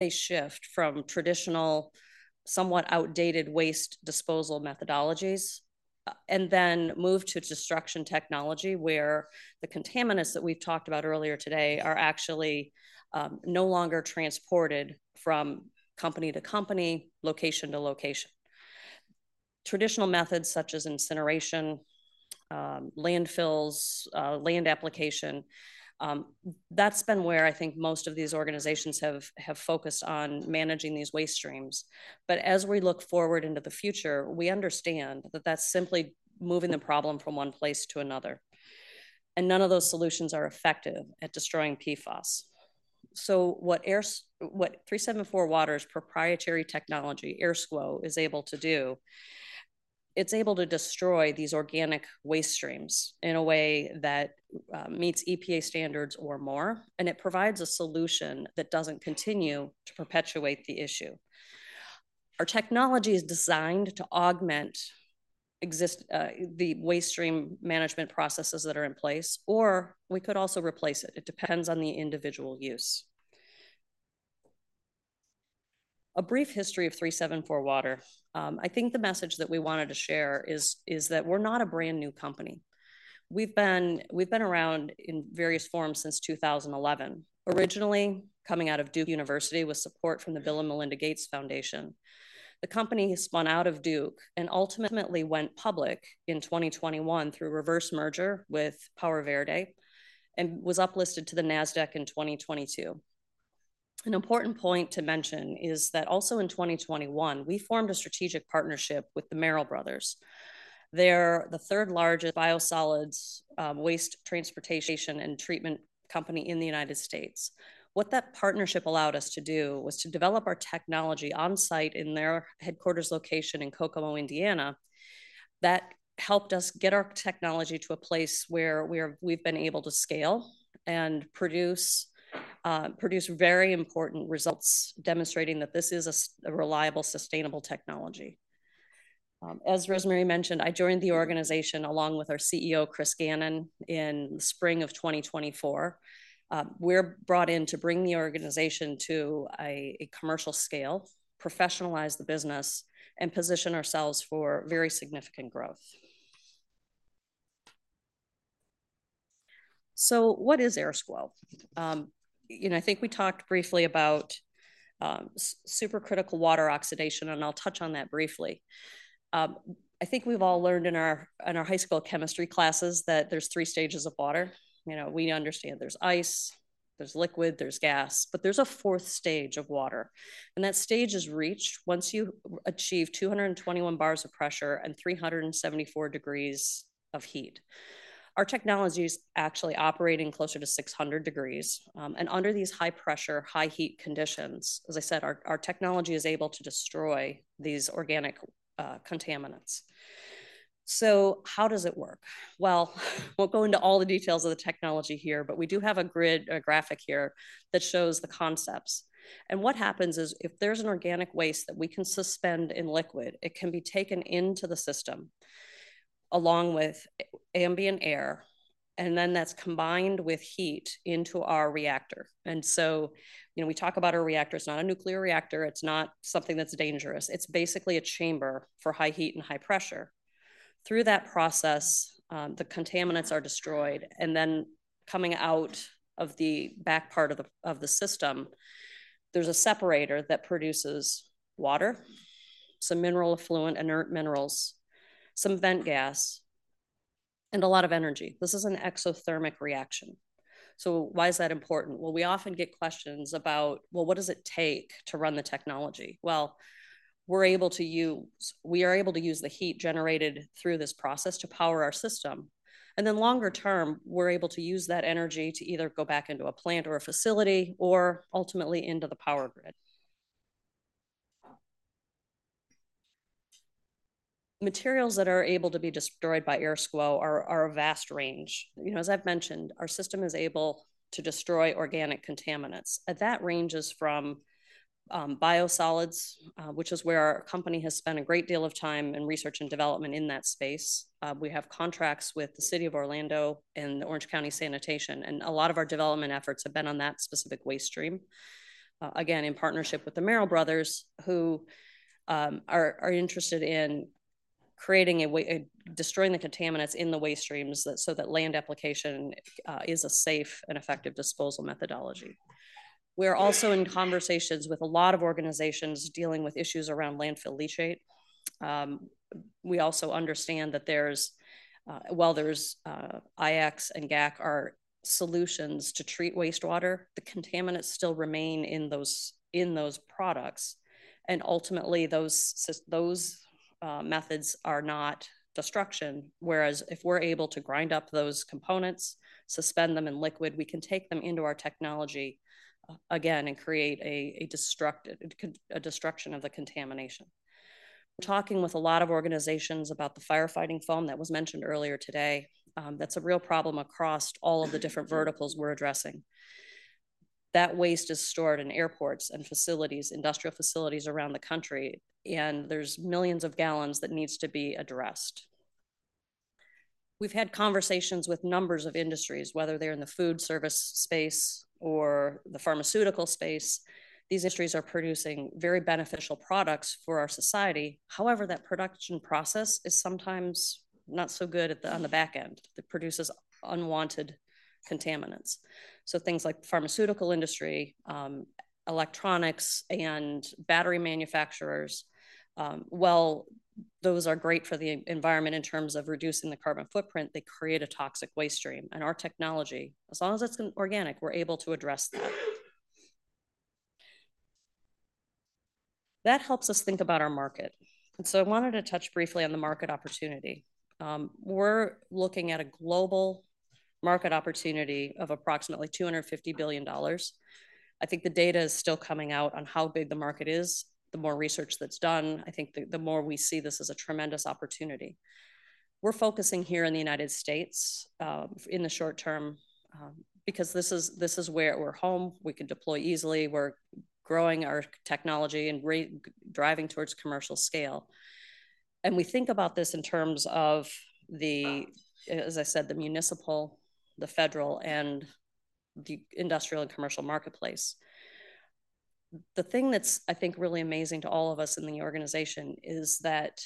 a shift from traditional, somewhat outdated waste disposal methodologies, and then move to destruction technology, where the contaminants that we've talked about earlier today are actually no longer transported from company to company, location to location. Traditional methods such as incineration, landfills, land application, that's been where I think most of these organizations have focused on managing these waste streams. But as we look forward into the future, we understand that that's simply moving the problem from one place to another, and none of those solutions are effective at destroying PFAS. So what AirSCWO—what 374Water's proprietary technology, AirSCWO, is able to do, it's able to destroy these organic waste streams in a way that meets EPA standards or more, and it provides a solution that doesn't continue to perpetuate the issue. Our technology is designed to augment existing the waste stream management processes that are in place, or we could also replace it. It depends on the individual use. A brief history of 374Water. I think the message that we wanted to share is that we're not a brand-new company. We've been around in various forms since two thousand and eleven. Originally, coming out of Duke University with support from the Bill & Melinda Gates Foundation. The company spun out of Duke and ultimately went public in 2021 through reverse merger with PowerVerde and was uplisted to the NASDAQ in 2022. An important point to mention is that also in 2021, we formed a strategic partnership with the Merrell Bros.. They're the third-largest biosolids waste transportation and treatment company in the United States. What that partnership allowed us to do was to develop our technology on-site in their headquarters location in Kokomo, Indiana. That helped us get our technology to a place where we've been able to scale and produce very important results, demonstrating that this is a reliable, sustainable technology. As Rosemary mentioned, I joined the organization, along with our CEO, Chris Gannon, in the spring of twenty twenty-four. We're brought in to bring the organization to a commercial scale, professionalize the business, and position ourselves for very significant growth. So what is AirSCWO? You know, I think we talked briefly about supercritical water oxidation, and I'll touch on that briefly. I think we've all learned in our high school chemistry classes that there's three stages of water. You know, we understand there's ice, there's liquid, there's gas, but there's a fourth stage of water, and that stage is reached once you achieve 221 bars of pressure and 374 degrees of heat. Our technology is actually operating closer to six hundred degrees. And under these high-pressure, high-heat conditions, as I said, our technology is able to destroy these organic contaminants. So how does it work? Well, we'll go into all the details of the technology here, but we do have a grid, a graphic here that shows the concepts. And what happens is, if there's an organic waste that we can suspend in liquid, it can be taken into the system, along with ambient air, and then that's combined with heat into our reactor. And so, you know, we talk about a reactor. It's not a nuclear reactor. It's not something that's dangerous. It's basically a chamber for high heat and high pressure. Through that process, the contaminants are destroyed, and then coming out of the back part of the system, there's a separator that produces water, some mineral effluent, inert minerals, some vent gas, and a lot of energy. This is an exothermic reaction. So why is that important? Well, we often get questions about: Well, what does it take to run the technology? We're able to use the heat generated through this process to power our system, and then longer term, we're able to use that energy to either go back into a plant or a facility or ultimately into the power grid. Materials that are able to be destroyed by AirSCWO are a vast range. You know, as I've mentioned, our system is able to destroy organic contaminants, and that ranges from biosolids, which is where our company has spent a great deal of time in research and development in that space. We have contracts with the City of Orlando and Orange County Sanitation, and a lot of our development efforts have been on that specific waste stream. Again, in partnership with the Merrell Brothers, who are interested in creating a way destroying the contaminants in the waste streams so that land application is a safe and effective disposal methodology. We're also in conversations with a lot of organizations dealing with issues around landfill leachate. We also understand that there's while there's IX and GAC are solutions to treat wastewater, the contaminants still remain in those products, and ultimately, those methods are not destruction. Whereas if we're able to grind up those components, suspend them in liquid, we can take them into our technology again and create a destruction of the contamination. We're talking with a lot of organizations about the firefighting foam that was mentioned earlier today. That's a real problem across all of the different verticals we're addressing. That waste is stored in airports and facilities, industrial facilities around the country, and there's millions of gallons that needs to be addressed. We've had conversations with numbers of industries, whether they're in the food service space or the pharmaceutical space. These industries are producing very beneficial products for our society. However, that production process is sometimes not so good on the back end. It produces unwanted contaminants. So things like pharmaceutical industry, electronics, and battery manufacturers, well, those are great for the environment in terms of reducing the carbon footprint. They create a toxic waste stream. And our technology, as long as it's organic, we're able to address that. That helps us think about our market, and so I wanted to touch briefly on the market opportunity. We're looking at a global market opportunity of approximately $250 billion. I think the data is still coming out on how big the market is. The more research that's done, I think the more we see this as a tremendous opportunity. We're focusing here in the United States, in the short term, because this is where we're home. We can deploy easily. We're growing our technology, and we're driving towards commercial scale, and we think about this in terms of the, as I said, the municipal, the federal, and the industrial and commercial marketplace. The thing that's, I think, really amazing to all of us in the organization is that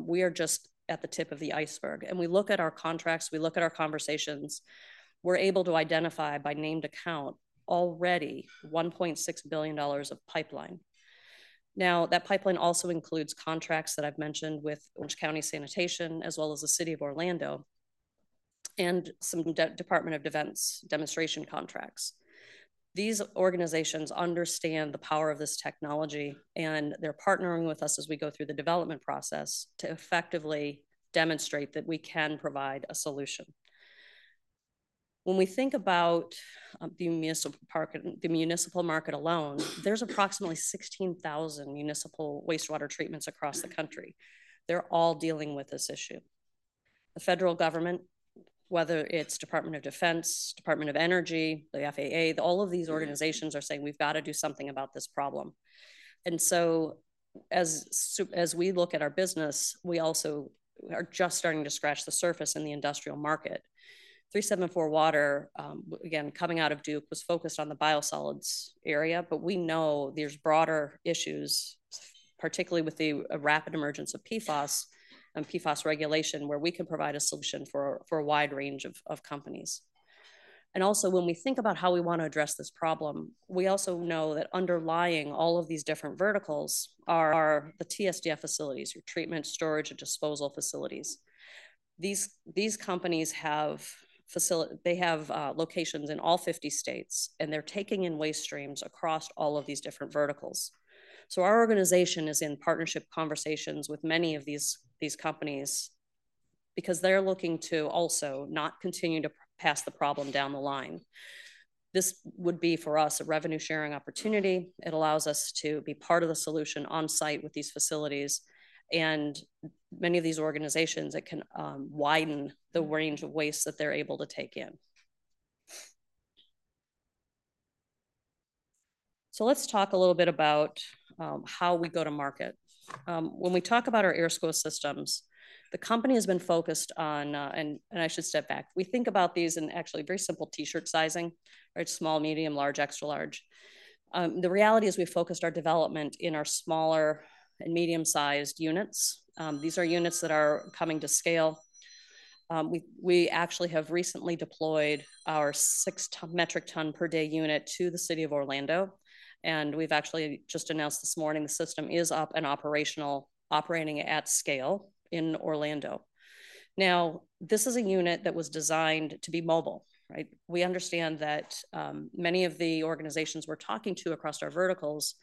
we are just at the tip of the iceberg, and we look at our contracts, we look at our conversations, we're able to identify by named account already $1.6 billion of pipeline. Now, that pipeline also includes contracts that I've mentioned with Orange County Sanitation, as well as the City of Orlando, and some Department of Defense demonstration contracts. These organizations understand the power of this technology, and they're partnering with us as we go through the development process to effectively demonstrate that we can provide a solution. When we think about the municipal market alone, there's approximately 16,000 municipal wastewater treatments across the country. They're all dealing with this issue. The federal government, whether it's Department of Defense, Department of Energy, the FAA, all of these organizations are saying, "We've got to do something about this problem." And so as we look at our business, we also are just starting to scratch the surface in the industrial market. 374Water, again, coming out of Duke, was focused on the biosolids area, but we know there's broader issues, particularly with the rapid emergence of PFAS and PFAS regulation, where we can provide a solution for a wide range of companies. And also, when we think about how we want to address this problem, we also know that underlying all of these different verticals are the TSDF facilities, your treatment, storage, and disposal facilities. These companies have facilities. They have locations in all 50 states, and they're taking in waste streams across all of these different verticals. Our organization is in partnership conversations with many of these companies because they're looking to also not continue to pass the problem down the line. This would be, for us, a revenue-sharing opportunity. It allows us to be part of the solution on-site with these facilities and many of these organizations that can widen the range of waste that they're able to take in. Let's talk a little bit about how we go to market. When we talk about our AirSCWO systems, the company has been focused on, and I should step back. We think about these in actually very simple T-shirt sizing, right? Small, medium, large, extra large. The reality is we focused our development in our smaller and medium-sized units. These are units that are coming to scale. We actually have recently deployed our six-ton metric ton per day unit to the city of Orlando, and we've actually just announced this morning the system is up and operational, operating at scale in Orlando. Now, this is a unit that was designed to be mobile, right? We understand that many of the organizations we're talking to across our verticals,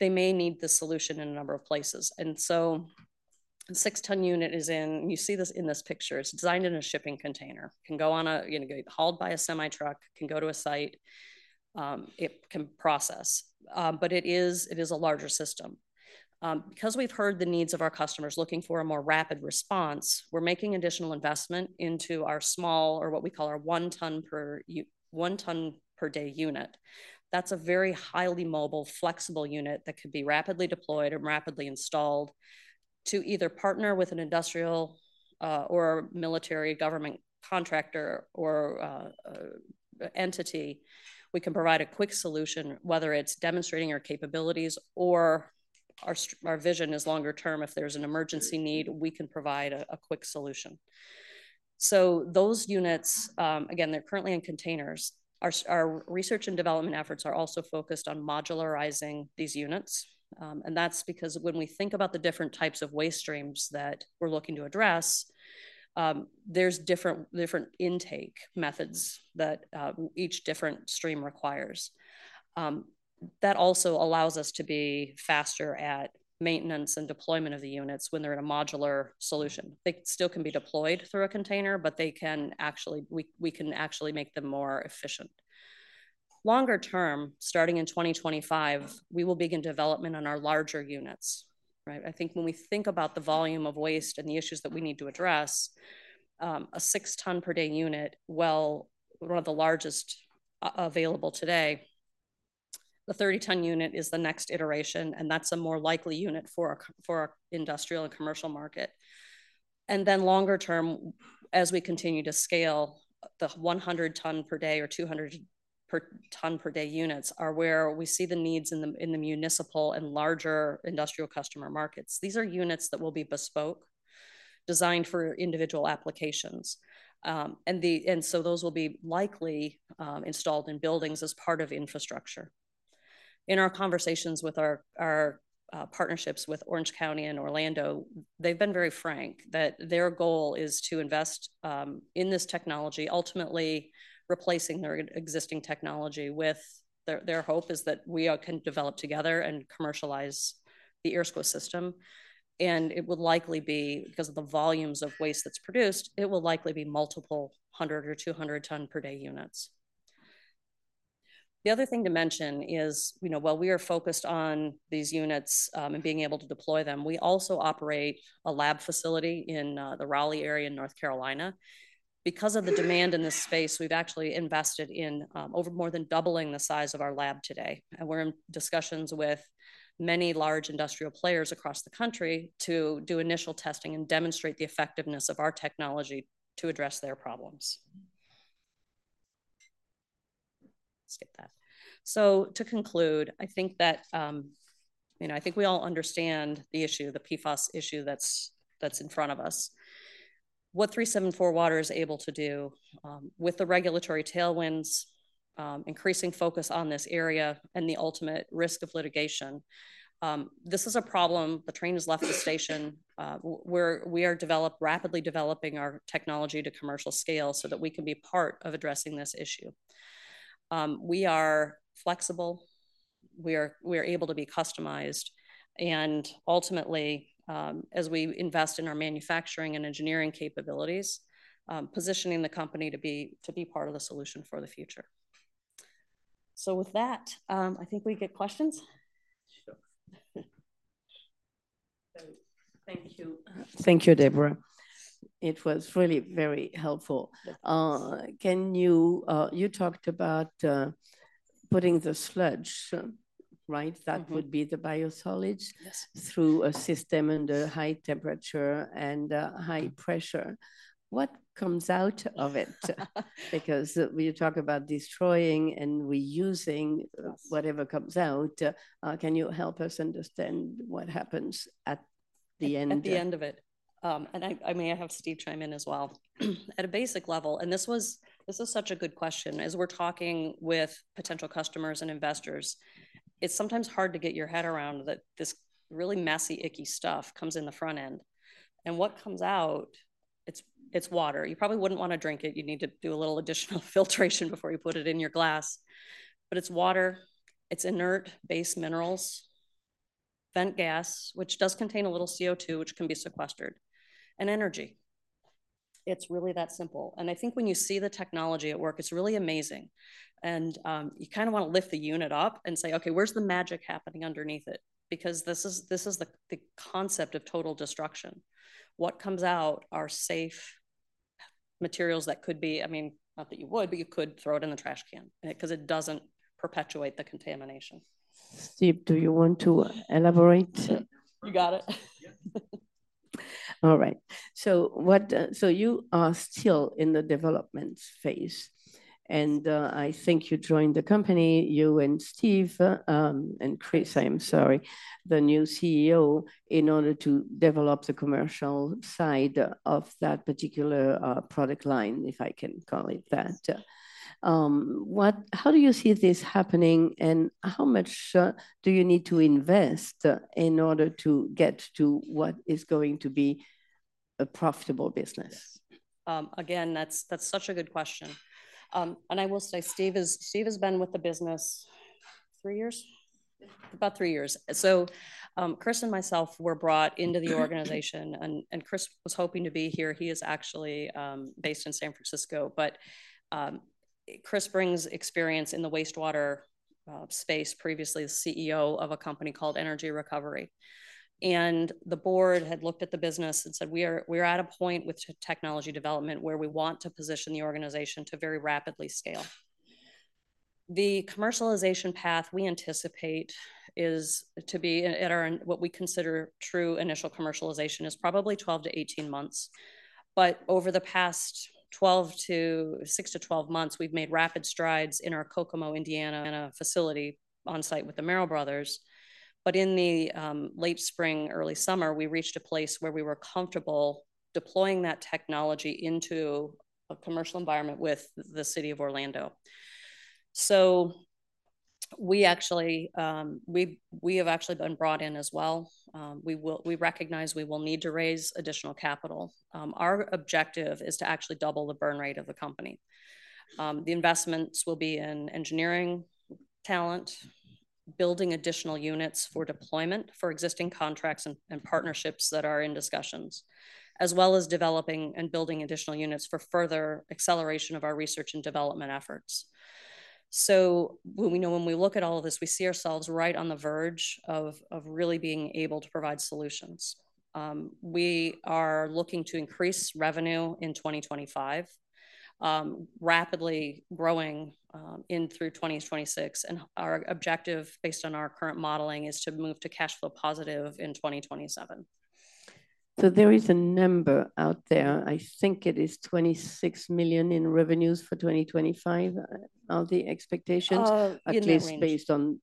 they may need the solution in a number of places. And so the six-ton unit is in. You see this in this picture. It's designed in a shipping container, can go on a, you know, get hauled by a semi-truck, can go to a site. It can process, but it is a larger system. Because we've heard the needs of our customers looking for a more rapid response, we're making additional investment into our small, or what we call our one ton per day unit. That's a very highly mobile, flexible unit that could be rapidly deployed and rapidly installed to either partner with an industrial, or military government contractor or a, a entity. We can provide a quick solution, whether it's demonstrating our capabilities or our vision is longer term. If there's an emergency need, we can provide a, a quick solution. So those units, again, they're currently in containers. Our research and development efforts are also focused on modularizing these units, and that's because when we think about the different types of waste streams that we're looking to address, there's different intake methods that each different stream requires. That also allows us to be faster at maintenance and deployment of the units when they're in a modular solution. They still can be deployed through a container, but they can actually, we can actually make them more efficient. Longer term, starting in 2025, we will begin development on our larger units, right? I think when we think about the volume of waste and the issues that we need to address, a six-ton per day unit, well, one of the largest available today... The 30-ton unit is the next iteration, and that's a more likely unit for our industrial and commercial market. Then longer term, as we continue to scale, the 100-ton per day or 200-ton per day units are where we see the needs in the municipal and larger industrial customer markets. These are units that will be bespoke, designed for individual applications. And so those will be likely installed in buildings as part of infrastructure. In our conversations with our partnerships with Orange County and Orlando, they've been very frank that their goal is to invest in this technology, ultimately replacing their existing technology with. Their hope is that we all can develop together and commercialize the AirSCWO system, and it would likely be, because of the volumes of waste that's produced, it will likely be multiple hundred or two hundred ton per day units. The other thing to mention is, you know, while we are focused on these units and being able to deploy them, we also operate a lab facility in the Raleigh area in North Carolina. Because of the demand in this space, we've actually invested in, over more than doubling the size of our lab today, and we're in discussions with many large industrial players across the country to do initial testing and demonstrate the effectiveness of our technology to address their problems. Skip that. To conclude, I think that, you know, I think we all understand the issue, the PFAS issue that's in front of us. What 374Water is able to do, with the regulatory tailwinds, increasing focus on this area and the ultimate risk of litigation, this is a problem. The train has left the station. We're rapidly developing our technology to commercial scale so that we can be part of addressing this issue. We are flexible, we are able to be customized, and ultimately, as we invest in our manufacturing and engineering capabilities, positioning the company to be part of the solution for the future. So with that, I think we get questions? Sure. So thank you. Thank you, Deborah. It was really very helpful. Can you, you talked about putting the sludge, right? Mm-hmm. That would be the biosolids- Yes. -through a system under high temperature and high pressure. What comes out of it? Because you talk about destroying and reusing- Yes -whatever comes out. Can you help us understand what happens at the end? At the end of it. And I may have Steve chime in as well. At a basic level, this is such a good question. As we're talking with potential customers and investors, it's sometimes hard to get your head around that this really messy, icky stuff comes in the front end. And what comes out, it's water. You probably wouldn't want to drink it. You'd need to do a little additional filtration before you put it in your glass. But it's water, it's inert base minerals, vent gas, which does contain a little CO2, which can be sequestered, and energy. It's really that simple. I think when you see the technology at work, it's really amazing, and you kinda wanna lift the unit up and say, "Okay, where's the magic happening underneath it?" Because this is the concept of total destruction. What comes out are safe materials that could be, I mean, not that you would, but you could throw it in the trash can, 'cause it doesn't perpetuate the contamination. Steve, do you want to elaborate? Yeah. You got it? Yep. All right. So you are still in the development phase, and I think you joined the company, you and Steve, and Chris, I'm sorry, the new CEO, in order to develop the commercial side of that particular product line, if I can call it that. Yes. How do you see this happening, and how much do you need to invest in order to get to what is going to be a profitable business? Again, that's such a good question. I will say Steve has been with the business three years. About three years. Chris and myself were brought into the organization, and Chris was hoping to be here. He is actually based in San Francisco. Chris brings experience in the wastewater space, previously the CEO of a company called Energy Recovery. The board had looked at the business and said: We are at a point with technology development where we want to position the organization to very rapidly scale. The commercialization PAC we anticipate is to be at our, what we consider true initial commercialization, is probably 12-18 months. Over the past 6-12 months, we've made rapid strides in our Kokomo, Indiana, facility on-site with the Merrell Bros. But in the late spring, early summer, we reached a place where we were comfortable deploying that technology into a commercial environment with the city of Orlando. So we actually have actually been brought in as well. We recognize we will need to raise additional capital. Our objective is to actually double the burn rate of the company. The investments will be in engineering talent, building additional units for deployment for existing contracts and partnerships that are in discussions, as well as developing and building additional units for further acceleration of our research and development efforts. So we know when we look at all of this, we see ourselves right on the verge of really being able to provide solutions. We are looking to increase revenue in 2025, rapidly growing in through 2026, and our objective, based on our current modeling, is to move to cash flow positive in 2027. ...so there is a number out there, I think it is $26 million in revenues for 2025. Are the expectations- In that range. At least based on-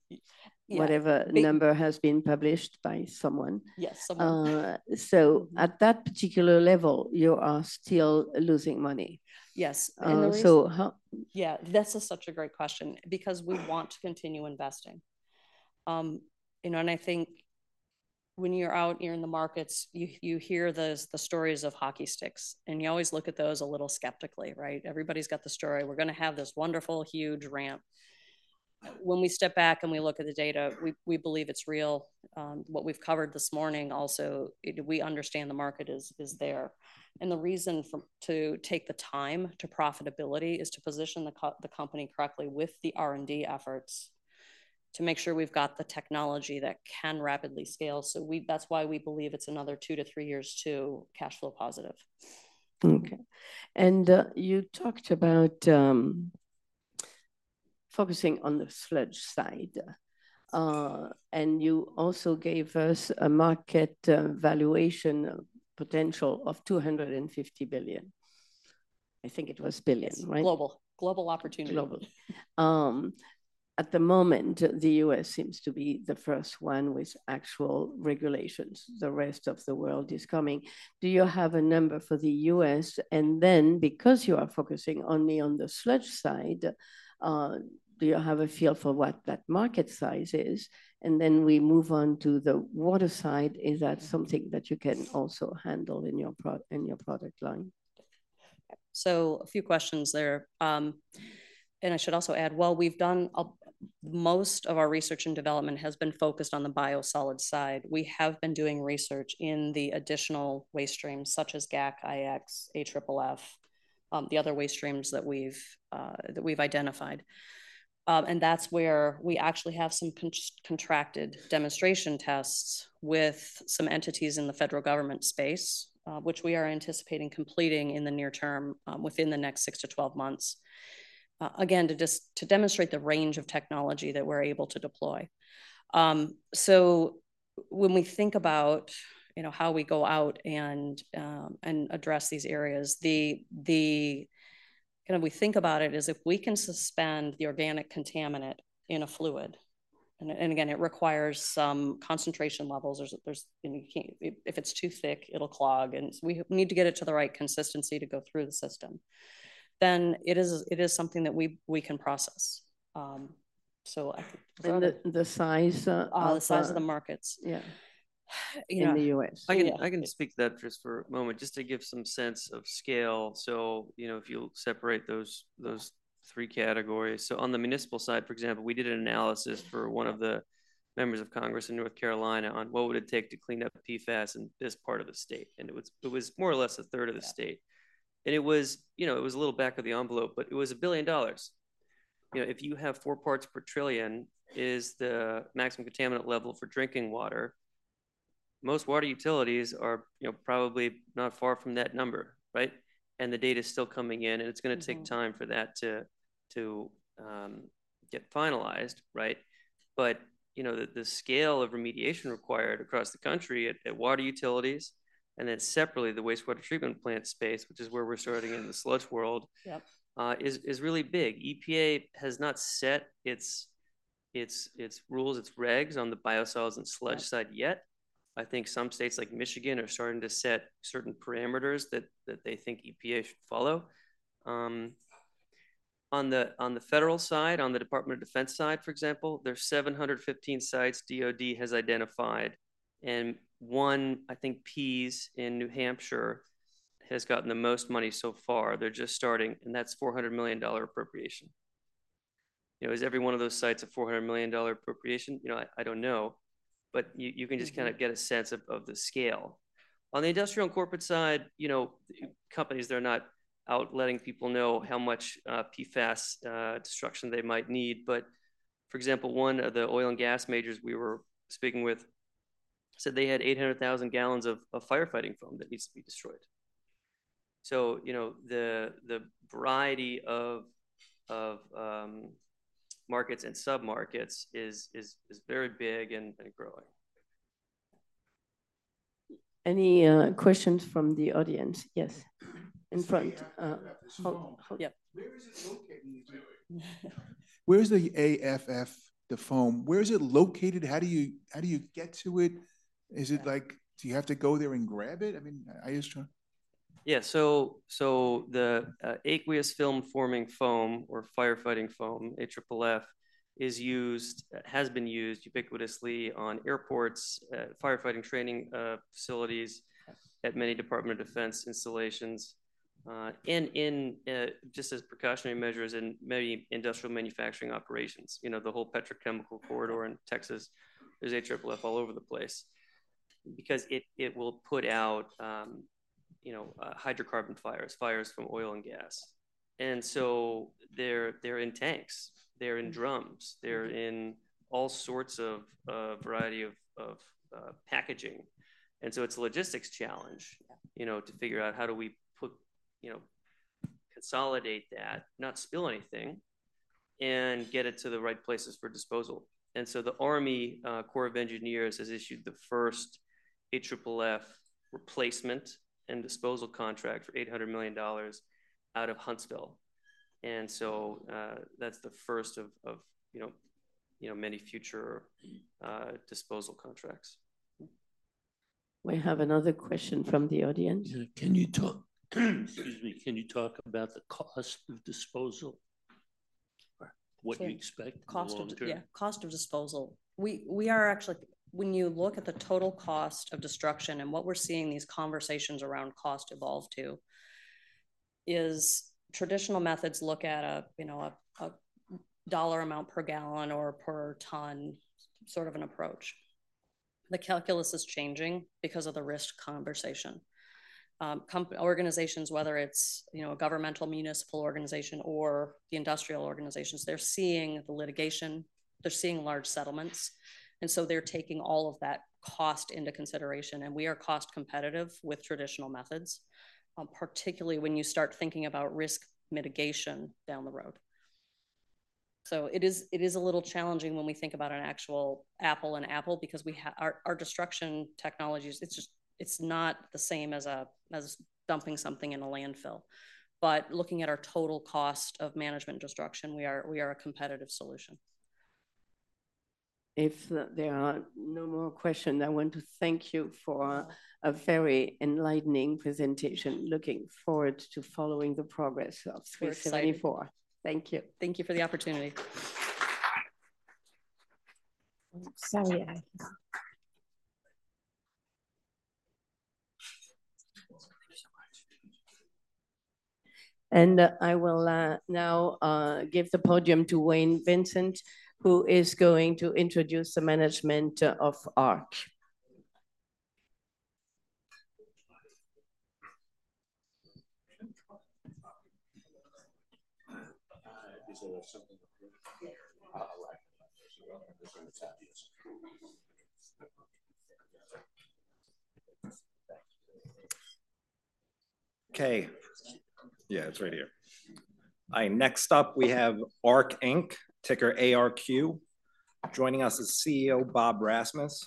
Yeah. Whatever number has been published by someone? Yes, someone. So at that particular level, you are still losing money? Yes, um- And so how- Yeah, this is such a great question because we want to continue investing. You know, and I think when you're out, you're in the markets, you hear those, the stories of hockey sticks, and you always look at those a little skeptically, right? Everybody's got the story: We're gonna have this wonderful, huge ramp. When we step back and we look at the data, we believe it's real. What we've covered this morning, also, we understand the market is there. And the reason for to take the time to profitability is to position the company correctly with the R&D efforts, to make sure we've got the technology that can rapidly scale. So that's why we believe it's another two-to-three years to cash flow positive. Okay. And, you talked about focusing on the sludge side, and you also gave us a market valuation potential of 250 billion. I think it was billion, right? It's global, global opportunity. Global. At the moment, the US seems to be the first one with actual regulations. The rest of the world is coming. Do you have a number for the US? And then, because you are focusing only on the sludge side, do you have a feel for what that market size is? And then we move on to the water side. Is that something that you can also handle in your product line? So a few questions there. And I should also add, while we've done most of our research and development has been focused on the biosolids side, we have been doing research in the additional waste streams, such as GAC, IX, AFFF, the other waste streams that we've identified. And that's where we actually have some contracted demonstration tests with some entities in the federal government space, which we are anticipating completing in the near term, within the next six to 12 months. Again, to demonstrate the range of technology that we're able to deploy. So when we think about, you know, how we go out and address these areas, the, the... Kind of, we think about it is if we can suspend the organic contaminant in a fluid, and again, it requires some concentration levels. There's, and you can't if it's too thick, it'll clog, and we need to get it to the right consistency to go through the system, then it is something that we can process, so I- And the size of Oh, the size of the markets. Yeah. Yeah. In the U.S. Yeah. I can speak to that just for a moment, just to give some sense of scale. So, you know, if you'll separate those three categories. So on the municipal side, for example, we did an analysis for one of the members of Congress in North Carolina on what would it take to clean up PFAS in this part of the state, and it was more or less a third of the state. And it was, you know, a little back-of-the-envelope, but it was $1 billion. You know, if you have four parts per trillion is the maximum contaminant level for drinking water, most water utilities are, you know, probably not far from that number, right? And the data is still coming in, and it's gonna take- Mm. time for that to get finalized, right? But, you know, the scale of remediation required across the country at water utilities, and then separately, the wastewater treatment plant space, which is where we're starting in the sludge world. Yep... is really big. EPA has not set its rules, its regs on the biosolids and sludge- Yeah -side yet. I think some states, like Michigan, are starting to set certain parameters that they think EPA should follow. On the federal side, on the Department of Defense side, for example, there's 715 sites DoD has identified, and one, I think Pease, New Hampshire, has gotten the most money so far. They're just starting, and that's $400 million dollar appropriation. You know, is every one of those sites a $400 million dollar appropriation? You know, I don't know, but you, you- Mm. Can just kind of get a sense of the scale. On the industrial and corporate side, you know, companies, they're not out letting people know how much PFAS destruction they might need. But, for example, one of the oil and gas majors we were speaking with said they had 800,000 gallons of firefighting foam that needs to be destroyed. So, you know, the variety of markets and submarkets is very big and growing. Any questions from the audience? Yes. In front. Oh, yeah. Where is it located? Where is the AFFF, the foam, where is it located? How do you, how do you get to it? Is it like... Do you have to go there and grab it? I mean, are you sure? Yeah. So, the aqueous film-forming foam, or firefighting foam, AFFF, is used, has been used ubiquitously on airports, firefighting training facilities- Yes... at many Department of Defense installations, and in just as precautionary measures in many industrial manufacturing operations. You know, the whole petrochemical corridor in Texas, there's AFFF all over the place. Because it will put out, you know, hydrocarbon fires, fires from oil and gas. And so they're in tanks, they're in drums, they're in all sorts of variety of packaging. And so it's a logistics challenge- Yeah... you know, to figure out how do we put, you know, pick consolidate that, not spill anything, and get it to the right places for disposal. And so the Army Corps of Engineers has issued the first AFFF replacement and disposal contract for $800 million out of Huntsville. And so, that's the first of you know many future disposal contracts. We have another question from the audience. Yeah. Excuse me, can you talk about the cost of disposal? Sure. What do you expect in the long term? Cost of, yeah, cost of disposal. We are actually. When you look at the total cost of destruction and what we're seeing these conversations around cost evolve to, is traditional methods look at a, you know, a dollar amount per gallon or per ton sort of an approach. The calculus is changing because of the risk conversation. Comparable organizations, whether it's, you know, a governmental municipal organization or the industrial organizations, they're seeing the litigation, they're seeing large settlements, and so they're taking all of that cost into consideration. We are cost competitive with traditional methods, particularly when you start thinking about risk mitigation down the road. It is a little challenging when we think about an actual apples to apples, because our destruction technologies, it's just, it's not the same as dumping something in a landfill. But looking at our total cost of management destruction, we are a competitive solution. If there are no more questions, I want to thank you for a very enlightening presentation. Looking forward to following the progress of 374. We're excited. Thank you. Thank you for the opportunity. Sorry. Thank you so much. And I will now give the podium to Wayne Pinsent, who is going to introduce the management of Arq. Okay. Yeah, it's right here. All right, next up, we have Arq, Inc., ticker ARQ. Joining us is CEO Bob Rasmus.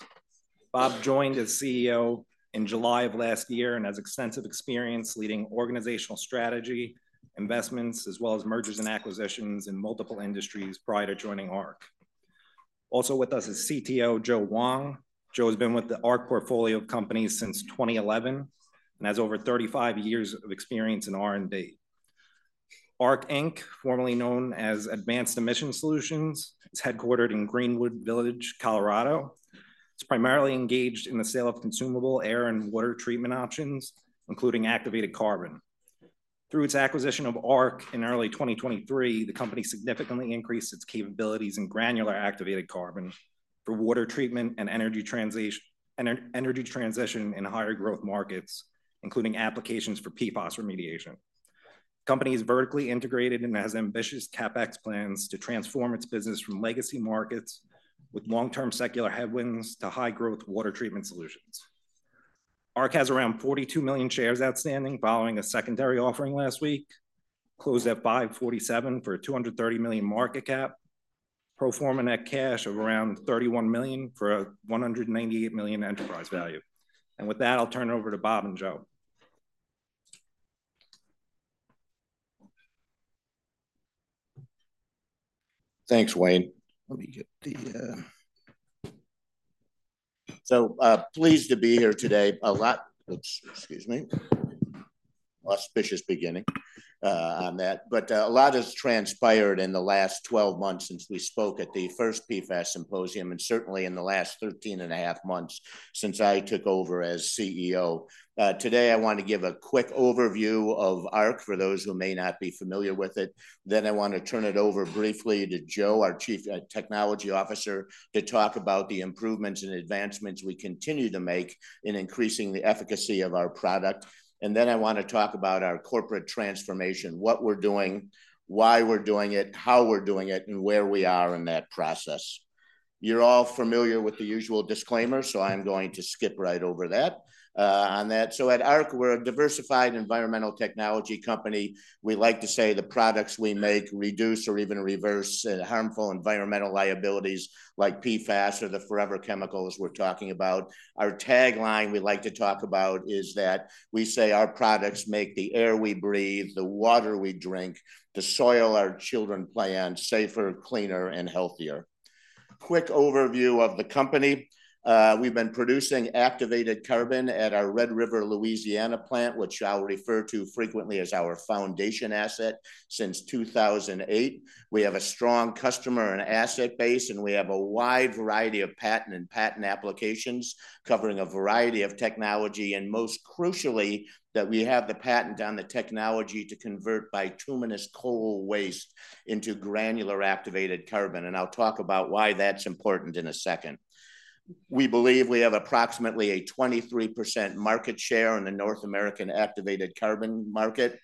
Bob joined as CEO in July of last year and has extensive experience leading organizational strategy, investments, as well as mergers and acquisitions in multiple industries prior to joining Arq. Also with us is CTO Joe Wong. Joe has been with the Arq portfolio company since 2011 and has over 35 years of experience in R&D. Arq, Inc., formerly known as Advanced Emissions Solutions, is headquartered in Greenwood Village, Colorado. It's primarily engaged in the sale of consumable air and water treatment options, including activated carbon. Through its acquisition of Arq in early 2023, the company significantly increased its capabilities in granular activated carbon for water treatment and energy transition in higher growth markets, including applications for PFAS remediation. Company is vertically integrated and has ambitious CapEx plans to transform its business from legacy markets with long-term secular headwinds to high growth water treatment solutions. ARQ has around 42 million shares outstanding, following a secondary offering last week, closed at $5.47 for a $230 million market cap, pro forma net cash of around $31 million for a $198 million enterprise value. And with that, I'll turn it over to Bob and Joe. Thanks, Wayne. Let me get the. Pleased to be here today. A lot has transpired in the last 12 months since we spoke at the first PFAS symposium, and certainly in the last 13 and a half months since I took over as CEO. Today, I want to give a quick overview of Arq for those who may not be familiar with it. Then I want to turn it over briefly to Joe, our Chief Technology Officer, to talk about the improvements and advancements we continue to make in increasing the efficacy of our product. And then I want to talk about our corporate transformation, what we're doing, why we're doing it, how we're doing it, and where we are in that process. You're all familiar with the usual disclaimer, so I'm going to skip right over that, on that. So at Arq, we're a diversified environmental technology company. We like to say the products we make reduce or even reverse, harmful environmental liabilities, like PFAS or the forever chemicals we're talking about. Our tagline we like to talk about is that we say our products make the air we breathe, the water we drink, the soil our children play on, safer, cleaner, and healthier. Quick overview of the company. We've been producing activated carbon at our Red River, Louisiana plant, which I'll refer to frequently as our foundation asset, since 2008. We have a strong customer and asset base, and we have a wide variety of patent and patent applications covering a variety of technology, and most crucially, that we have the patent on the technology to convert bituminous coal waste into granular activated carbon, and I'll talk about why that's important in a second. We believe we have approximately 23% market share in the North American activated carbon market.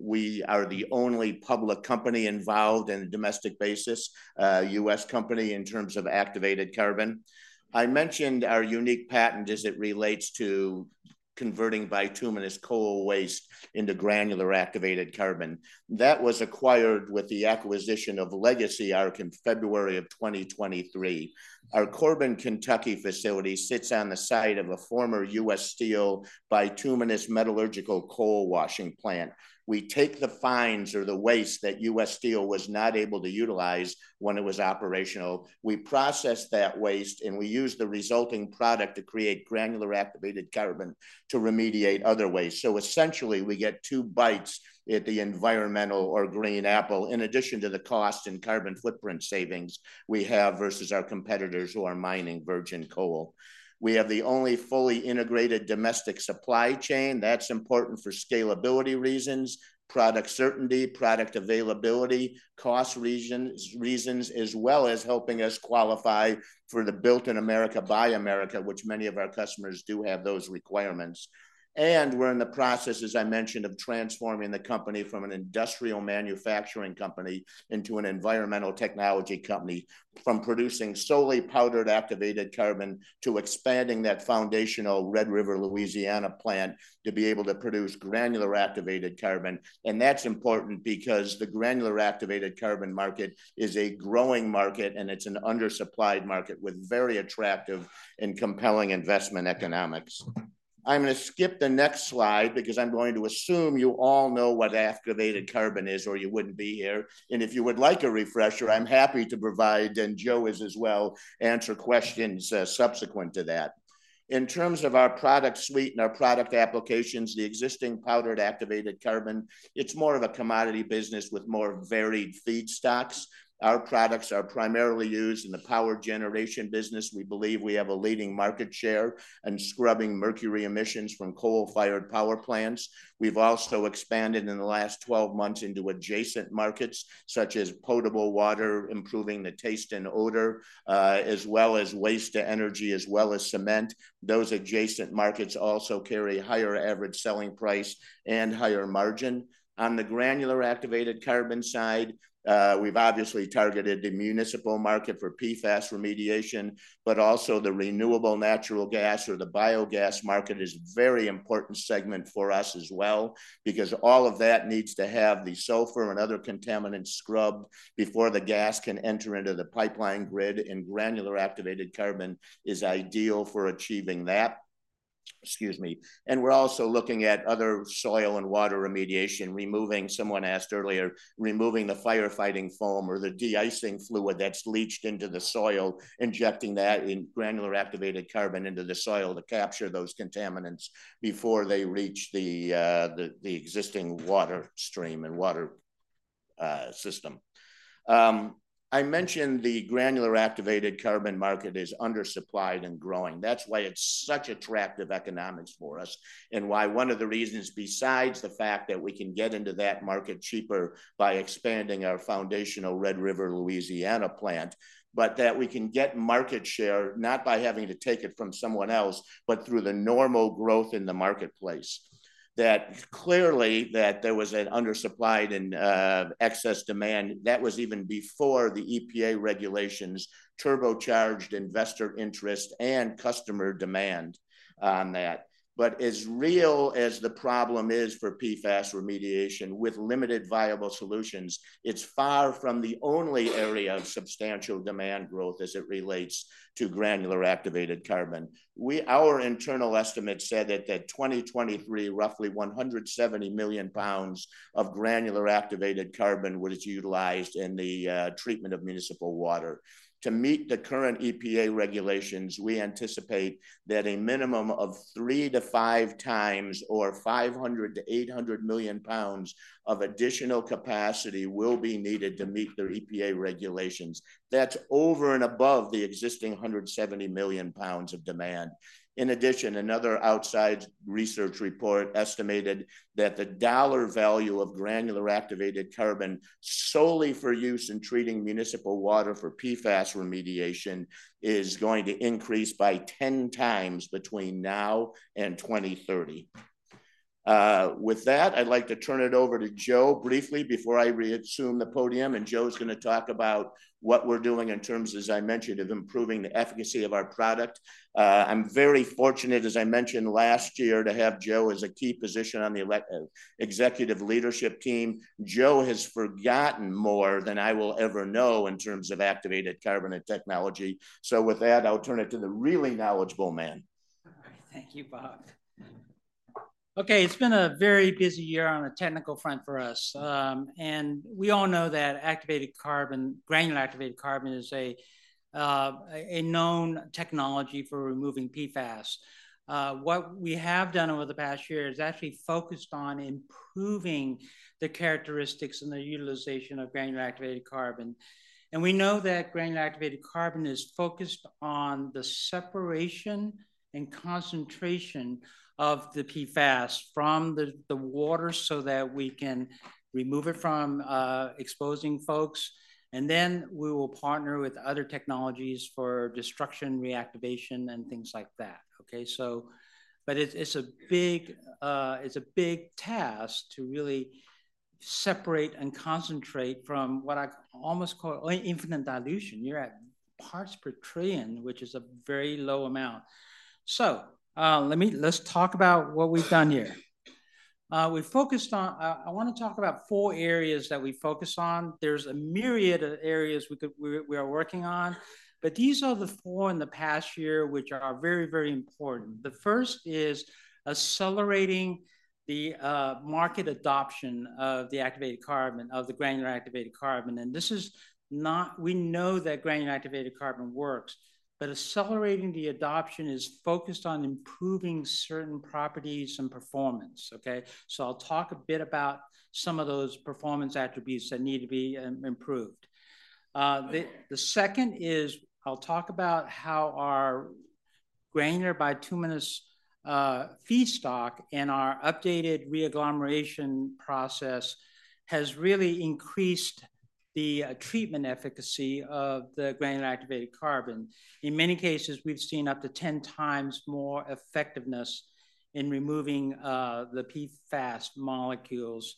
We are the only public company involved in a domestic basis, US company in terms of activated carbon. I mentioned our unique patent as it relates to converting bituminous coal waste into granular activated carbon. That was acquired with the acquisition of Legacy Arq in February of 2023. Our Corbin, Kentucky facility sits on the site of a former U.S. Steel bituminous metallurgical coal washing plant. We take the fines or the waste that U.S. Steel was not able to utilize when it was operational. We process that waste, and we use the resulting product to create granular activated carbon to remediate other waste. So essentially, we get two bites at the environmental or green apple, in addition to the cost and carbon footprint savings we have versus our competitors who are mining virgin coal. We have the only fully integrated domestic supply chain. That's important for scalability reasons, product certainty, product availability, cost reasons, as well as helping us qualify for the Build America, Buy America, which many of our customers do have those requirements. And we're in the process, as I mentioned, of transforming the company from an industrial manufacturing company into an environmental technology company, from producing solely powdered activated carbon to expanding that foundational Red River, Louisiana plant to be able to produce granular activated carbon. That's important because the granular activated carbon market is a growing market, and it's an undersupplied market with very attractive and compelling investment economics. I'm going to skip the next slide because I'm going to assume you all know what activated carbon is or you wouldn't be here. If you would like a refresher, I'm happy to provide, and Joe is as well, answer questions subsequent to that. In terms of our product suite and our product applications, the existing powdered activated carbon, it's more of a commodity business with more varied feedstocks. Our products are primarily used in the power generation business. We believe we have a leading market share and scrubbing mercury emissions from coal-fired power plants. We've also expanded in the last twelve months into adjacent markets, such as potable water, improving the taste and odor, as well as waste to energy, as well as cement. Those adjacent markets also carry a higher average selling price and higher margin. On the granular activated carbon side, we've obviously targeted the municipal market for PFAS remediation, but also the renewable natural gas or the biogas market is a very important segment for us as well, because all of that needs to have the sulfur and other contaminants scrubbed before the gas can enter into the pipeline grid, and granular activated carbon is ideal for achieving that. Excuse me. We're also looking at other soil and water remediation, removing, someone asked earlier, removing the firefighting foam or the de-icing fluid that's leached into the soil, injecting that in granular activated carbon into the soil to capture those contaminants before they reach the existing water stream and water system. I mentioned the granular activated carbon market is undersupplied and growing. That's why it's such attractive economics for us, and why one of the reasons, besides the fact that we can get into that market cheaper by expanding our foundational Red River, Louisiana plant, but that we can get market share, not by having to take it from someone else, but through the normal growth in the marketplace. That clearly there was an undersupplied and excess demand. That was even before the EPA regulations turbocharged investor interest and customer demand on that. But as real as the problem is for PFAS remediation, with limited viable solutions, it's far from the only area of substantial demand growth as it relates to granular activated carbon. Our internal estimates said that at 2023, roughly 170 million pounds of granular activated carbon was utilized in the treatment of municipal water. To meet the current EPA regulations, we anticipate that a minimum of three to five times or 500 to 800 million lbs of additional capacity will be needed to meet the EPA regulations. That's over and above the existing 170 million lbs of demand. In addition, another outside research report estimated that the dollar value of granular activated carbon, solely for use in treating municipal water for PFAS remediation, is going to increase by 10 times between now and 2030. With that, I'd like to turn it over to Joe briefly before I reassume the podium, and Joe is going to talk about what we're doing in terms, as I mentioned, of improving the efficacy of our product. I'm very fortunate, as I mentioned last year, to have Joe as a key position on the executive leadership team. Joe has forgotten more than I will ever know in terms of activated carbon and technology. With that, I'll turn it to the really knowledgeable man. Thank you, Bob. Okay, it's been a very busy year on a technical front for us. And we all know that activated carbon, granular activated carbon, is a known technology for removing PFAS. What we have done over the past year is actually focused on improving the characteristics and the utilization of granular activated carbon. And we know that granular activated carbon is focused on the separation and concentration of the PFAS from the water so that we can remove it from exposing folks, and then we will partner with other technologies for destruction, reactivation, and things like that. Okay, so, but it's a big task to really separate and concentrate from what I almost call infinite dilution. You're at parts per trillion, which is a very low amount. So, let me, let's talk about what we've done here. We've focused on, I wanna talk about four areas that we focus on. There's a myriad of areas we could, we are working on, but these are the four in the past year, which are very, very important. The first is accelerating the market adoption of the activated carbon, of the granular activated carbon. And this is not, we know that granular activated carbon works, but accelerating the adoption is focused on improving certain properties and performance, okay? So I'll talk a bit about some of those performance attributes that need to be improved. The second is I'll talk about how our granular bituminous feedstock and our updated re-agglomeration process has really increased the treatment efficacy of the granular activated carbon. In many cases, we've seen up to 10 times more effectiveness in removing the PFAS molecules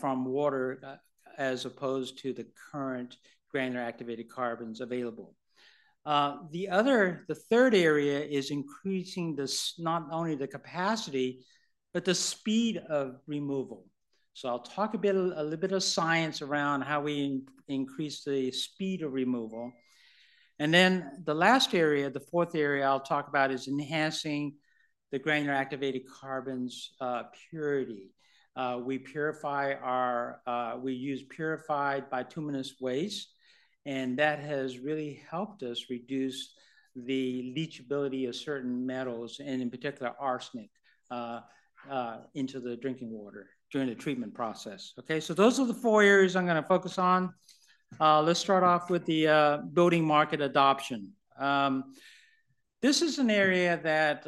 from water as opposed to the current granular activated carbons available. The third area is increasing not only the capacity, but the speed of removal. So I'll talk a bit, a little bit of science around how we increase the speed of removal. And then the last area, the fourth area I'll talk about, is enhancing the granular activated carbon's purity. We purify our, we use purified bituminous waste, and that has really helped us reduce the leachability of certain metals, and in particular arsenic into the drinking water during the treatment process. Okay, so those are the four areas I'm gonna focus on. Let's start off with the building market adoption. This is an area that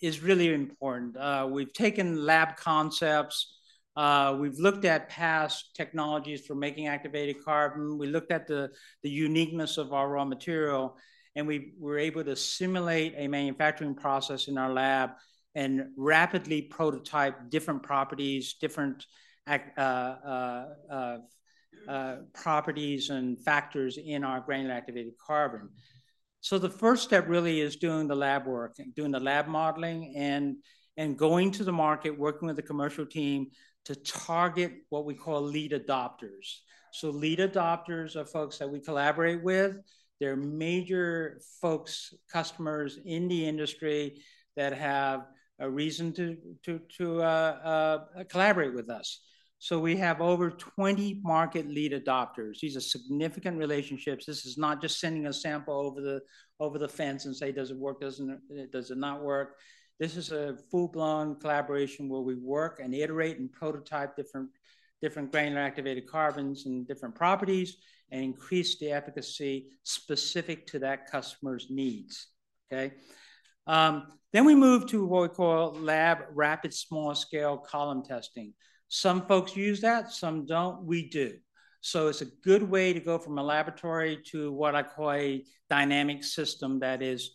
is really important. We've taken lab concepts, we've looked at past technologies for making activated carbon. We looked at the uniqueness of our raw material, and we were able to simulate a manufacturing process in our lab and rapidly prototype different properties, different properties and factors in our granular activated carbon. So the first step really is doing the lab work and doing the lab modeling and going to the market, working with the commercial team to target what we call lead adopters. So lead adopters are folks that we collaborate with. They're major folks, customers in the industry that have a reason to collaborate with us. So we have over 20 market lead adopters. These are significant relationships. This is not just sending a sample over the fence and say, "Does it work? Doesn't it, does it not work?" This is a full-blown collaboration where we work and iterate and prototype different granular activated carbons and different properties and increase the efficacy specific to that customer's needs, okay? Then we move to what we call lab rapid small-scale column testing. Some folks use that, some don't. We do. So it's a good way to go from a laboratory to what I call a dynamic system that is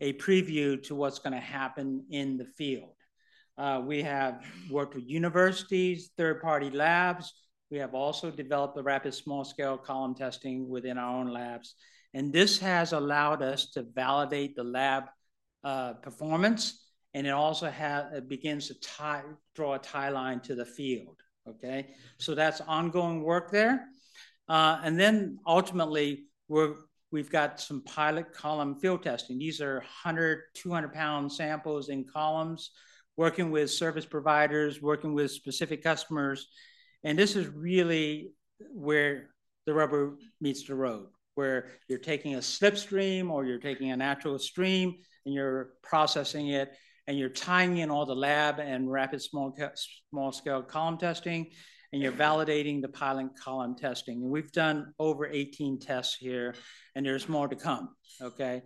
a preview to what's gonna happen in the field. We have worked with universities, third-party labs. We have also developed the rapid small-scale column testing within our own labs, and this has allowed us to validate the lab performance, and it also begins to tie, draw a tie line to the field, okay? That's ongoing work there. And then ultimately, we've got some pilot column field testing. These are 100- and 200-lb samples in columns, working with service providers, working with specific customers, and this is really where the rubber meets the road, where you're taking a slip stream, or you're taking a natural stream, and you're processing it, and you're tying in all the lab and rapid small-scale column testing, and you're validating the pilot column testing. We've done over 18 tests here, and there's more to come, okay?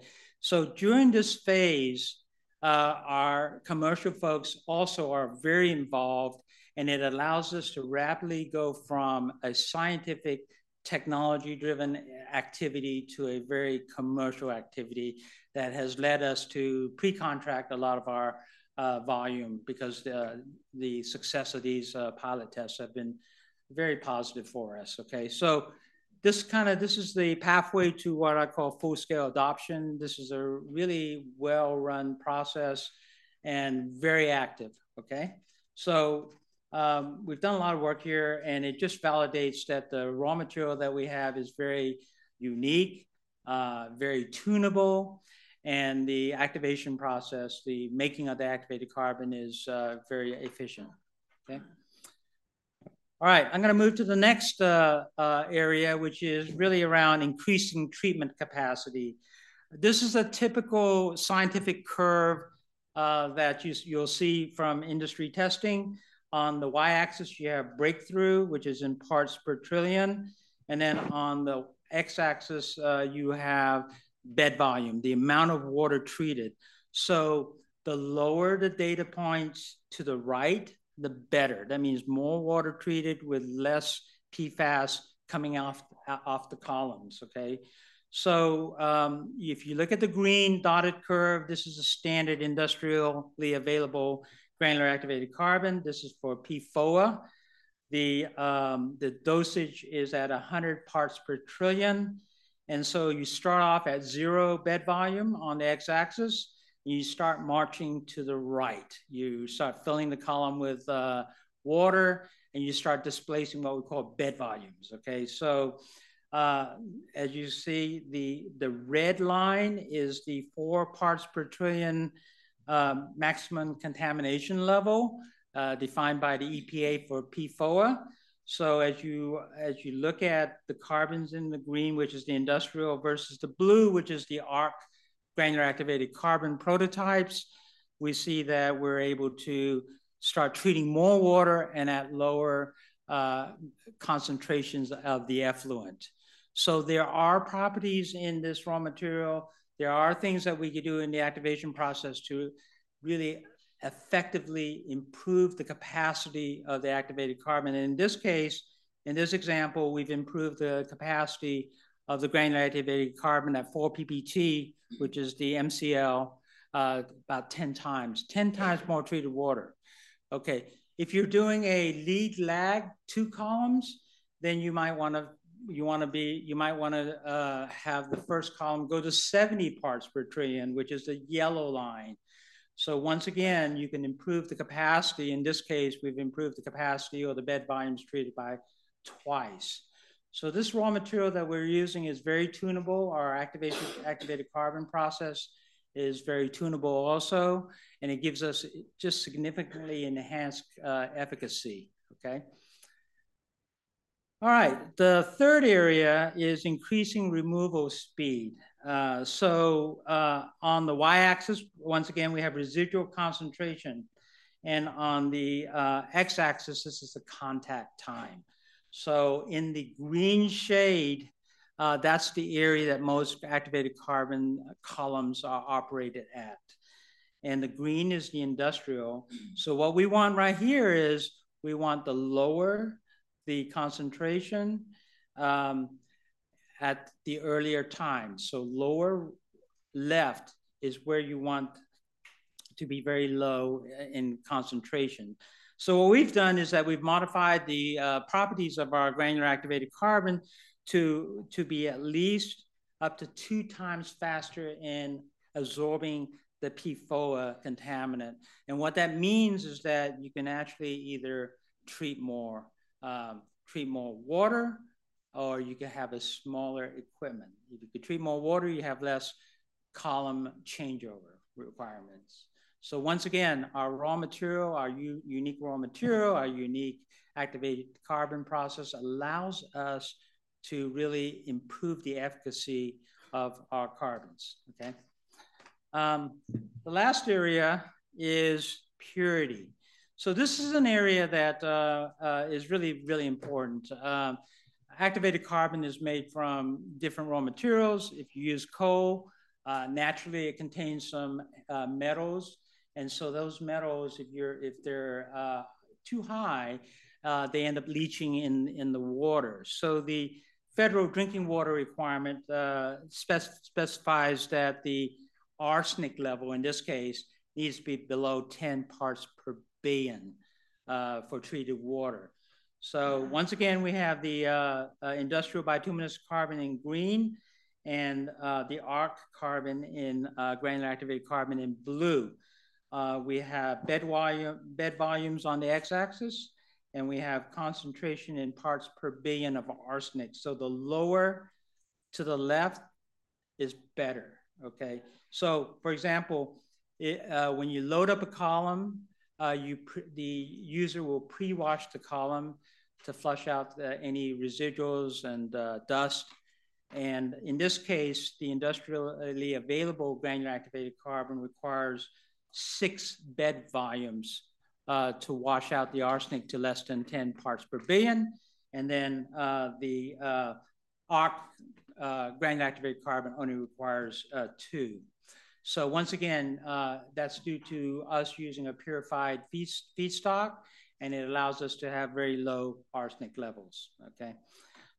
During this phase, our commercial folks also are very involved, and it allows us to rapidly go from a scientific, technology-driven activity to a very commercial activity that has led us to pre-contract a lot of our volume, because the success of these pilot tests has been very positive for us, okay? This is the pathway to what I call full-scale adoption. This is a really well-run process and very active, okay? So, we've done a lot of work here, and it just validates that the raw material that we have is very unique, very tunable, and the activation process, the making of the activated carbon, is very efficient. Okay? All right, I'm gonna move to the next area, which is really around increasing treatment capacity. This is a typical scientific curve that you, you'll see from industry testing. On the y-axis, you have breakthrough, which is in parts per trillion, and then on the x-axis, you have bed volume, the amount of water treated. So the lower the data points to the right, the better. That means more water treated with less PFAS coming out of the columns, okay? So, if you look at the green dotted curve, this is a standard industrially available granular activated carbon. This is for PFOA. The dosage is at a hundred parts per trillion, and so you start off at zero bed volume on the x-axis, and you start marching to the right. You start filling the column with water, and you start displacing what we call bed volumes, okay? As you see, the red line is the four parts per trillion maximum contaminant level defined by the EPA for PFOA. As you look at the carbons in the green, which is the industrial, versus the blue, which is the Arq granular activated carbon prototypes, we see that we're able to start treating more water and at lower concentrations of the effluent. There are properties in this raw material. There are things that we could do in the activation process to really effectively improve the capacity of the activated carbon. In this case, in this example, we've improved the capacity of the granular activated carbon at four PPT, which is the MCL, about 10 times. 10 times more treated water. Okay, if you're doing a lead lag, two columns, then you might wanna have the first column go to 70 parts per trillion, which is the yellow line. So once again, you can improve the capacity. In this case, we've improved the capacity or the bed volumes treated by twice. So this raw material that we're using is very tunable. Our activation, activated carbon process is very tunable also, and it gives us just significantly enhanced efficacy, okay? All right, the third area is increasing removal speed. So, on the y-axis, once again, we have residual concentration, and on the x-axis, this is the contact time. So in the green shade, that's the area that most activated carbon columns are operated at, and the green is the industrial. So what we want right here is, we want to lower the concentration at the earlier time. So lower left is where you want to be very low in concentration. So what we've done is that we've modified the properties of our granular activated carbon to be at least up to two times faster in adsorbing the PFOA contaminant. And what that means is that you can actually either treat more water, or you can have a smaller equipment. If you treat more water, you have less column changeover requirements. So once again, our raw material, our unique raw material, our unique activated carbon process, allows us to really improve the efficacy of our carbons, okay? The last area is purity. So this is an area that is really, really important. Activated carbon is made from different raw materials. If you use coal, naturally, it contains some metals. And so those metals, if they're too high, they end up leaching in the water. So the federal drinking water requirement specifies that the arsenic level, in this case, needs to be below 10 parts per billion for treated water. So once again, we have the industrial bituminous carbon in green and the Arq carbon in granular activated carbon in blue. We have BV, bed volumes on the x-axis, and we have concentration in parts per billion of arsenic. So the lower to the left is better, okay? So, for example, when you load up a column, the user will pre-wash the column to flush out any residuals and dust. And in this case, the industrially available granular activated carbon requires six bed volumes to wash out the arsenic to less than ten parts per billion. And then, the Arq granular activated carbon only requires two. So once again, that's due to us using a purified feedstock, and it allows us to have very low arsenic levels, okay?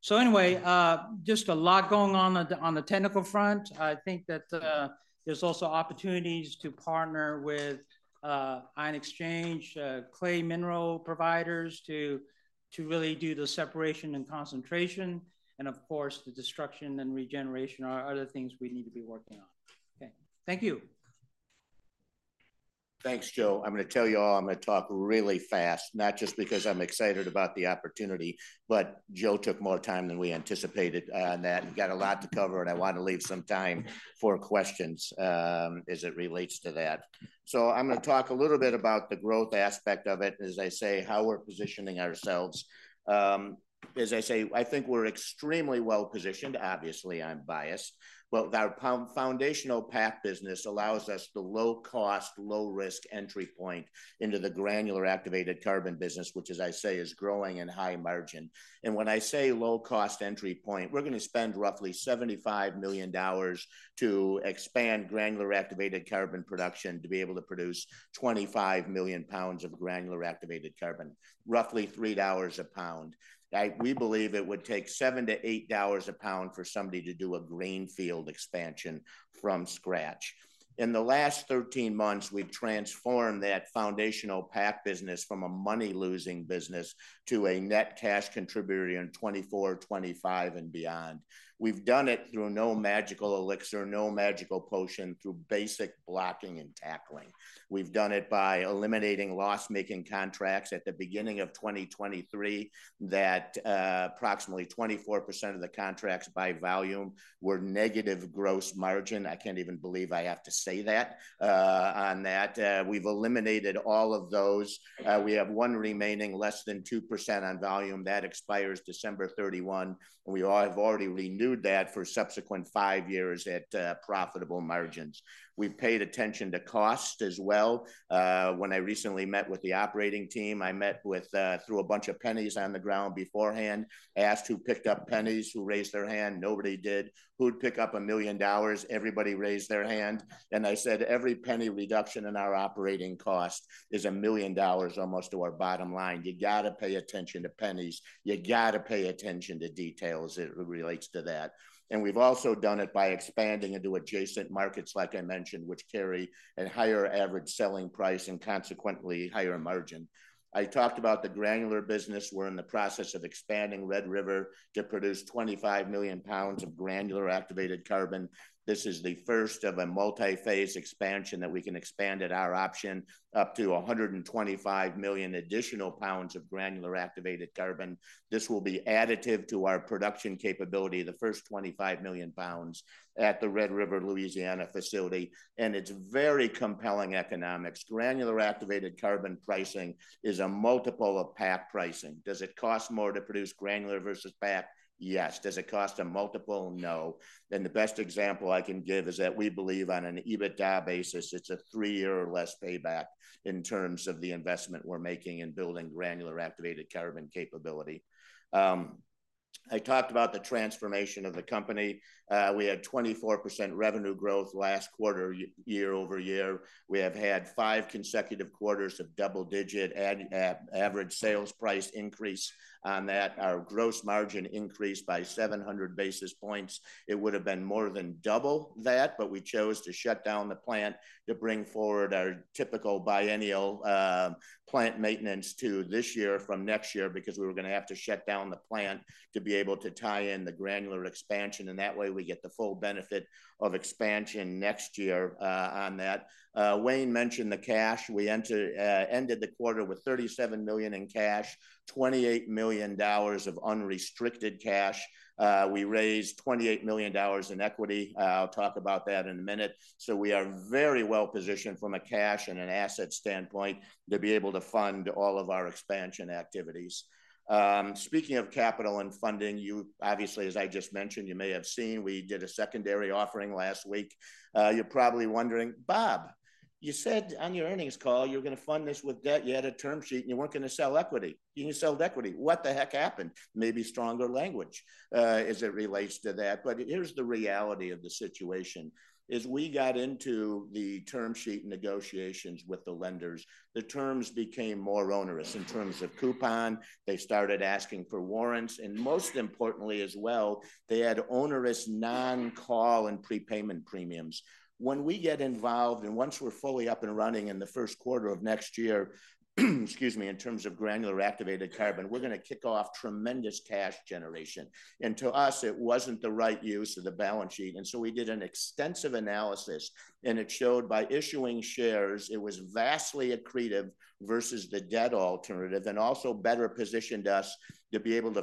So anyway, just a lot going on on the technical front. I think that, there's also opportunities to partner with, ion exchange, clay mineral providers to really do the separation and concentration, and of course, the destruction and regeneration are other things we need to be working on. Okay. Thank you. Thanks, Joe. I'm gonna tell you all, I'm gonna talk really fast, not just because I'm excited about the opportunity, but Joe took more time than we anticipated on that. We got a lot to cover, and I want to leave some time for questions as it relates to that. So I'm gonna talk a little bit about the growth aspect of it, as I say, how we're positioning ourselves. As I say, I think we're extremely well-positioned. Obviously, I'm biased, but our foundational path business allows us the low cost, low risk entry point into the granular activated carbon business, which, as I say, is growing in high margin. When I say low cost entry point, we're gonna spend roughly $75 million to expand granular activated carbon production to be able to produce 25 million pounds of granular activated carbon, roughly $3 a pound. We believe it would take $7-$8 a pound for somebody to do a greenfield expansion from scratch. In the last 13 months, we've transformed that foundational PAC business from a money-losing business to a net cash contributor in 2024, 2025, and beyond. We've done it through no magical elixir, no magical potion, through basic blocking and tackling. We've done it by eliminating loss-making contracts at the beginning of 2023, that approximately 24% of the contracts by volume were negative gross margin. I can't even believe I have to say that on that. We've eliminated all of those. We have one remaining, less than 2% on volume. That expires December 31, and we have already renewed that for subsequent five years at profitable margins. We've paid attention to cost as well. When I recently met with the operating team, I met with, threw a bunch of pennies on the ground beforehand, asked who picked up pennies, who raised their hand. Nobody did. Who'd pick up a million dollars? Everybody raised their hand, and I said: "Every penny reduction in our operating cost is a million dollars almost to our bottom line." You got to pay attention to pennies. You got to pay attention to details as it relates to that. And we've also done it by expanding into adjacent markets, like I mentioned, which carry a higher average selling price and consequently higher margin. I talked about the granular business. We're in the process of expanding Red River to produce 25 million lbs of granular activated carbon. This is the first of a multi-phase expansion that we can expand at our option, up to 125 million additional pounds of granular activated carbon. This will be additive to our production capability, the first 25 million lbs at the Red River, Louisiana, facility, and it's very compelling economics. Granular activated carbon pricing is a multiple of PAC pricing. Does it cost more to produce granular versus PAC? Yes. Does it cost a multiple? No. Then the best example I can give is that we believe on an EBITDA basis, it's a three-year or less payback in terms of the investment we're making in building granular activated carbon capability. I talked about the transformation of the company. We had 24% revenue growth last quarter, year-over-year. We have had five consecutive quarters of double-digit average sales price increase on that. Our gross margin increased by seven hundred basis points. It would have been more than double that, but we chose to shut down the plant to bring forward our typical biennial plant maintenance to this year from next year, because we were gonna have to shut down the plant to be able to tie in the granular expansion, and that way, we get the full benefit of expansion next year on that. Wayne mentioned the cash. We ended the quarter with $37 million in cash, $28 million of unrestricted cash. We raised $28 million in equity. I'll talk about that in a minute. So we are very well positioned from a cash and an asset standpoint to be able to fund all of our expansion activities. Speaking of capital and funding, you obviously, as I just mentioned, you may have seen, we did a secondary offering last week. You're probably wondering, Bob, you said on your earnings call, you're gonna fund this with debt. You had a term sheet, and you weren't gonna sell equity. You sold equity. What the heck happened? Maybe stronger language, as it relates to that. But here's the reality of the situation, as we got into the term sheet negotiations with the lenders, the terms became more onerous in terms of coupon. They started asking for warrants, and most importantly as well, they had onerous non-call and prepayment premiums. When we get involved, and once we're fully up and running in the first quarter of next year, in terms of granular activated carbon, we're gonna kick off tremendous cash generation. To us, it wasn't the right use of the balance sheet, and so we did an extensive analysis, and it showed by issuing shares, it was vastly accretive versus the debt alternative, and also better positioned us to be able to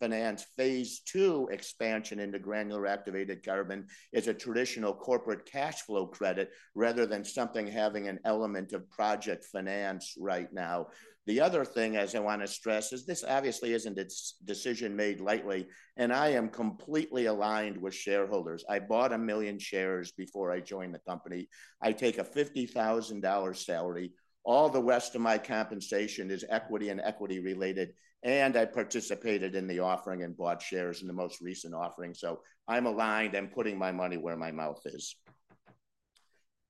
finance phase two expansion into granular activated carbon. It's a traditional corporate cash flow credit rather than something having an element of project finance right now. The other thing, as I want to stress, is this obviously isn't a snap decision made lightly, and I am completely aligned with shareholders. I bought 1 million shares before I joined the company. I take a $50,000 salary. All the rest of my compensation is equity and equity related, and I participated in the offering and bought shares in the most recent offering. So I'm aligned and putting my money where my mouth is.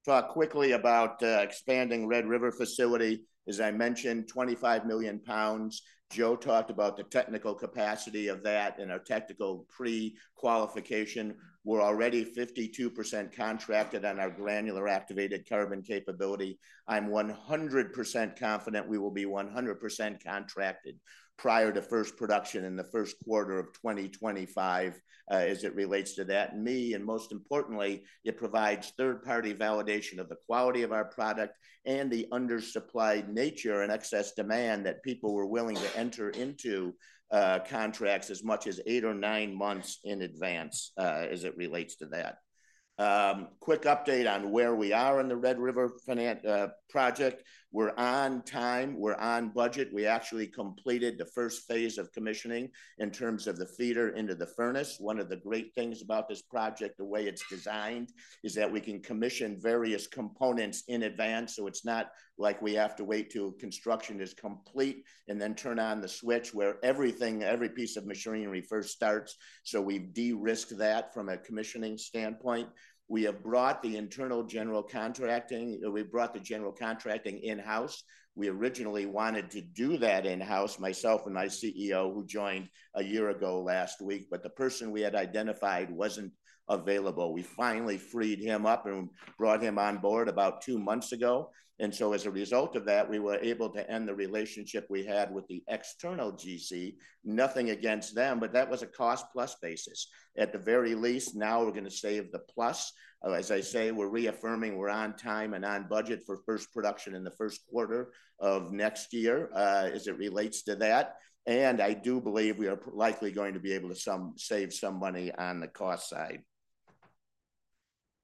Talk quickly about expanding Red River facility. As I mentioned, 25 million pounds. Joe talked about the technical capacity of that and our technical pre-qualification. We're already 52% contracted on our granular activated carbon capability. I'm 100% confident we will be 100% contracted prior to first production in the first quarter of 2025, as it relates to that and me, and most importantly, it provides third-party validation of the quality of our product and the undersupplied nature and excess demand that people were willing to enter into contracts as much as 8 or 9 months in advance, as it relates to that. Quick update on where we are in the Red River Furnace project. We're on time, we're on budget. We actually completed the first phase of commissioning in terms of the feeder into the furnace. One of the great things about this project, the way it's designed, is that we can commission various components in advance, so it's not like we have to wait till construction is complete, and then turn on the switch where everything, every piece of machinery first starts. So we've de-risked that from a commissioning standpoint. We have brought the internal general contracting. We brought the general contracting in-house. We originally wanted to do that in-house, myself and my CEO, who joined a year ago last week, but the person we had identified wasn't available. We finally freed him up and brought him on board about two months ago. And so as a result of that, we were able to end the relationship we had with the external GC. Nothing against them, but that was a cost plus basis. At the very least, now we're gonna save the plus. As I say, we're reaffirming we're on time and on budget for first production in the first quarter of next year, as it relates to that. And I do believe we are likely going to be able to save some money on the cost side.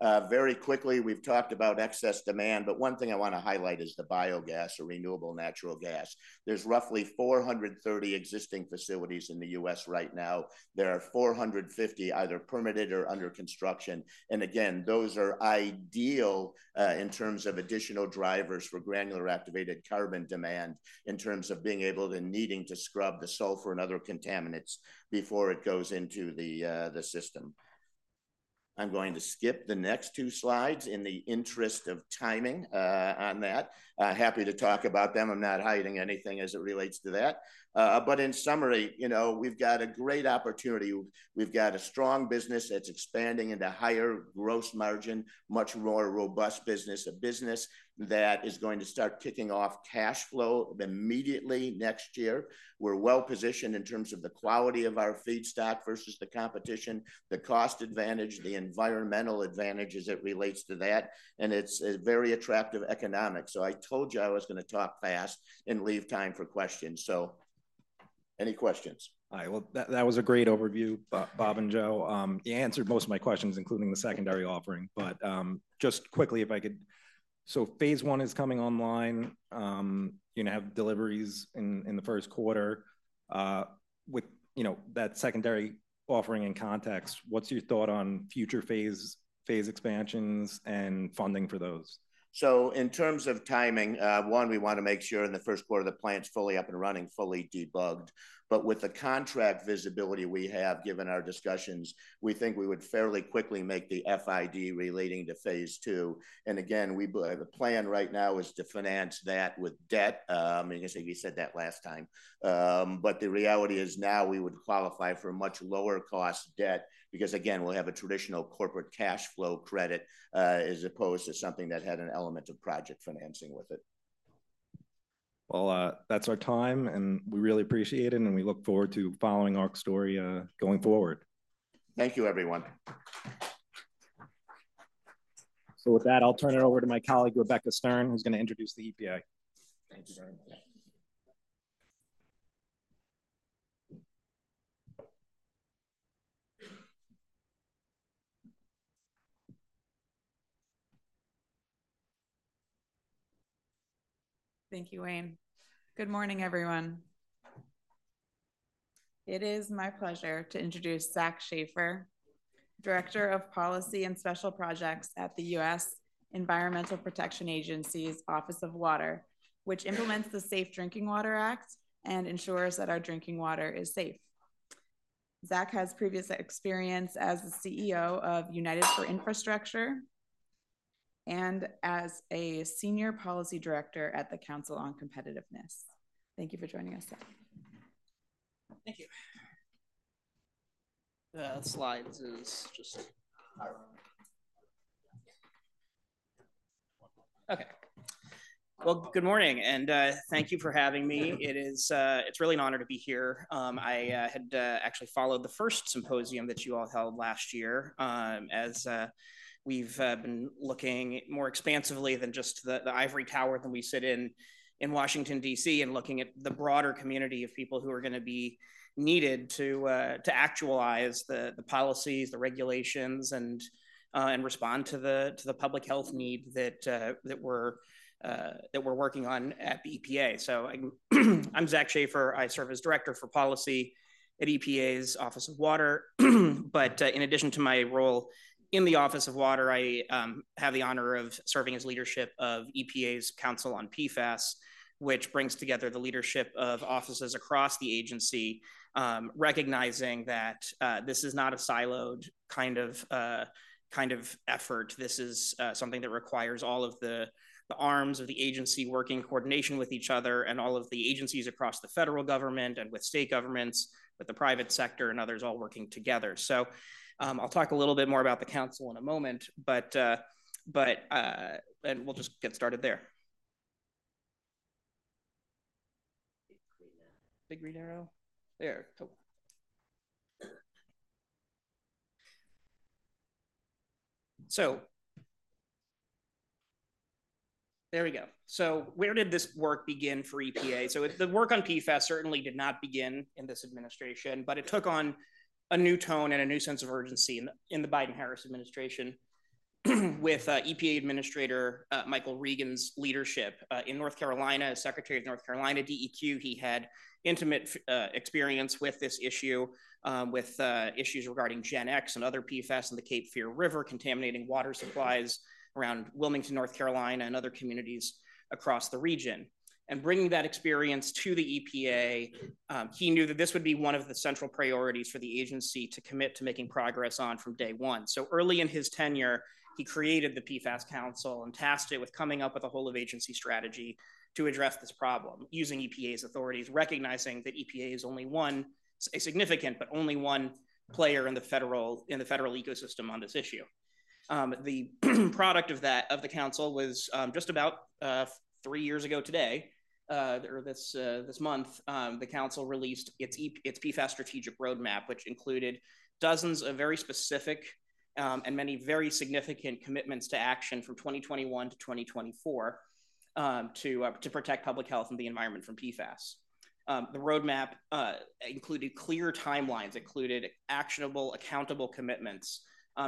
Very quickly, we've talked about excess demand, but one thing I want to highlight is the biogas or renewable natural gas. There's roughly 430 existing facilities in the U.S. right now. There are 450 either permitted or under construction. And again, those are ideal in terms of additional drivers for granular activated carbon demand, in terms of being able to needing to scrub the sulfur and other contaminants before it goes into the system. I'm going to skip the next two slides in the interest of timing on that. Happy to talk about them. I'm not hiding anything as it relates to that, but in summary, you know, we've got a great opportunity. We've got a strong business that's expanding into higher gross margin, much more robust business, a business that is going to start kicking off cash flow immediately next year. We're well-positioned in terms of the quality of our feedstock versus the competition, the cost advantage, the environmental advantage as it relates to that, and it's a very attractive economics. So I told you I was gonna talk fast and leave time for questions, so any questions? All right, well, that was a great overview, Bob and Joe. You answered most of my questions, including the secondary offering, but just quickly, if I could, so phase one is coming online, you're gonna have deliveries in the first quarter. With you know, that secondary offering in context, what's your thought on future phase expansions and funding for those? So in terms of timing, we want to make sure in the first quarter the plant's fully up and running, fully debugged. But with the contract visibility we have, given our discussions, we think we would fairly quickly make the FID relating to Phase II. And again, the plan right now is to finance that with debt. And you're going to say, you said that last time. But the reality is now we would qualify for a much lower cost debt, because, again, we'll have a traditional corporate cash flow credit, as opposed to something that had an element of project financing with it. That's our time, and we really appreciate it, and we look forward to following Arq story going forward. Thank you, everyone. So with that, I'll turn it over to my colleague, Rebecca Stern, who's gonna introduce the EPA. Thank you very much. Thank you, Wayne. Good morning, everyone. It is my pleasure to introduce Zach Schafer, Director of Policy and Special Projects at the U.S. Environmental Protection Agency's Office of Water, which implements the Safe Drinking Water Act and ensures that our drinking water is safe. Zach has previous experience as the CEO of United for Infrastructure, and as a Senior Policy Director at the Council on Competitiveness. Thank you for joining us, Zach. Thank you. Well, good morning, and thank you for having me. It is, it's really an honor to be here. I had actually followed the first symposium that you all held last year, as we've been looking more expansively than just the ivory tower than we sit in, in Washington, D.C., and looking at the broader community of people who are gonna be needed to actualize the policies, the regulations, and respond to the public health need that we're working on at the EPA. So I'm Zach Schafer. I serve as Director for Policy at EPA's Office of Water. But, in addition to my role in the Office of Water, I have the honor of serving as leadership of EPA's Council on PFAS, which brings together the leadership of offices across the agency, recognizing that this is not a siloed kind of effort. This is something that requires all of the arms of the agency working in coordination with each other, and all of the agencies across the federal government and with state governments, with the private sector, and others all working together. So, I'll talk a little bit more about the council in a moment, and we'll just get started there. Big green arrow. Big green arrow? There, cool! There we go. Where did this work begin for EPA? The work on PFAS certainly did not begin in this administration, but it took on a new tone and a new sense of urgency in the Biden-Harris administration, with EPA Administrator Michael Regan's leadership. In North Carolina, as Secretary of North Carolina DEQ, he had intimate experience with this issue, with issues regarding GenX and other PFAS in the Cape Fear River, contaminating water supplies around Wilmington, North Carolina, and other communities across the region. Bringing that experience to the EPA, he knew that this would be one of the central priorities for the agency to commit to making progress on from day one. Early in his tenure, he created the PFAS Council and tasked it with coming up with a whole-of-agency strategy to address this problem, using EPA's authorities, recognizing that EPA is only one, a significant, but only one player in the federal ecosystem on this issue. The product of that council was just about three years ago this month the council released its PFAS Strategic Roadmap, which included dozens of very specific and many very significant commitments to action from 2021 to 2024 to protect public health and the environment from PFAS. The roadmap included clear timelines, included actionable, accountable commitments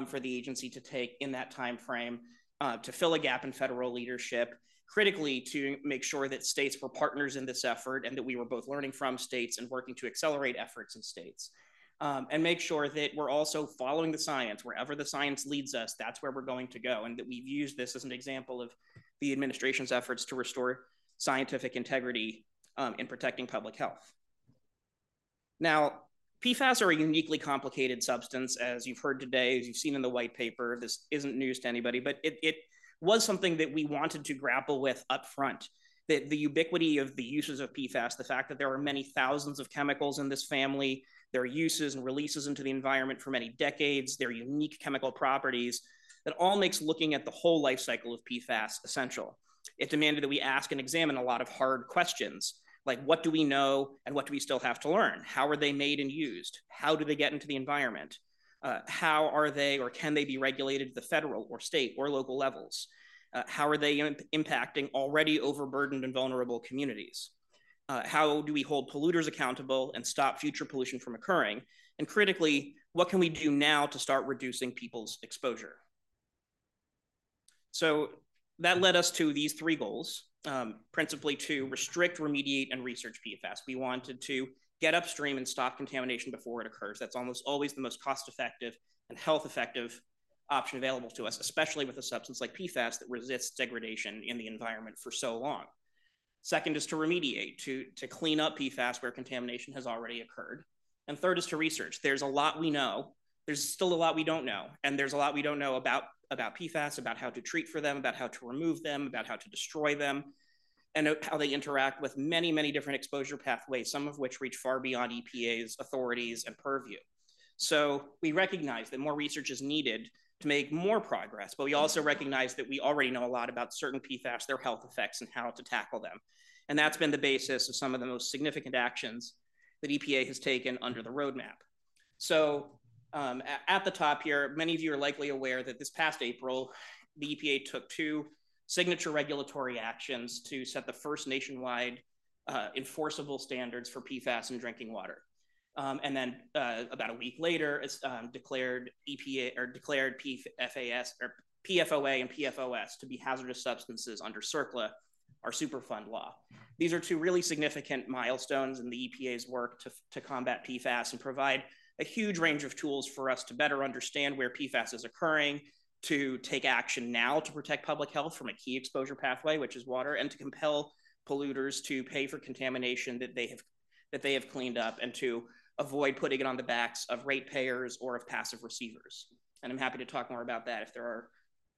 for the agency to take in that time frame, to fill a gap in federal leadership, critically, to make sure that states were partners in this effort, and that we were both learning from states and working to accelerate efforts in states, and make sure that we're also following the science. Wherever the science leads us, that's where we're going to go, and that we've used this as an example of the administration's efforts to restore scientific integrity in protecting public health. Now, PFAS are a uniquely complicated substance, as you've heard today, as you've seen in the white paper. This isn't news to anybody, but it, it was something that we wanted to grapple with upfront. The ubiquity of the uses of PFAS, the fact that there are many thousands of chemicals in this family, their uses and releases into the environment for many decades, their unique chemical properties, it all makes looking at the whole life cycle of PFAS essential. It demanded that we ask and examine a lot of hard questions, like: What do we know, and what do we still have to learn? How are they made and used? How do they get into the environment? How are they, or can they be regulated at the federal or state or local levels? How are they impacting already overburdened and vulnerable communities? How do we hold polluters accountable and stop future pollution from occurring? And critically, what can we do now to start reducing people's exposure? So that led us to these three goals, principally to restrict, remediate, and research PFAS. We wanted to get upstream and stop contamination before it occurs. That's almost always the most cost-effective and health-effective option available to us, especially with a substance like PFAS that resists degradation in the environment for so long. Second is to remediate, to clean up PFAS where contamination has already occurred. And third is to research. There's a lot we know. There's still a lot we don't know, and there's a lot we don't know about PFAS, about how to treat for them, about how to remove them, about how to destroy them, and how they interact with many, many different exposure pathways, some of which reach far beyond EPA's authorities and purview. We recognize that more research is needed to make more progress, but we also recognize that we already know a lot about certain PFAS, their health effects, and how to tackle them. That's been the basis of some of the most significant actions that EPA has taken under the roadmap. At the top here, many of you are likely aware that this past April, the EPA took two signature regulatory actions to set the first nationwide enforceable standards for PFAS in drinking water. And then, about a week later, the EPA declared PFOA and PFOS to be hazardous substances under CERCLA, our Superfund law. These are two really significant milestones in the EPA's work to combat PFAS and provide a huge range of tools for us to better understand where PFAS is occurring, to take action now to protect public health from a key exposure pathway, which is water, and to compel polluters to pay for contamination that they have cleaned up, and to avoid putting it on the backs of ratepayers or of passive receivers. And I'm happy to talk more about that if there are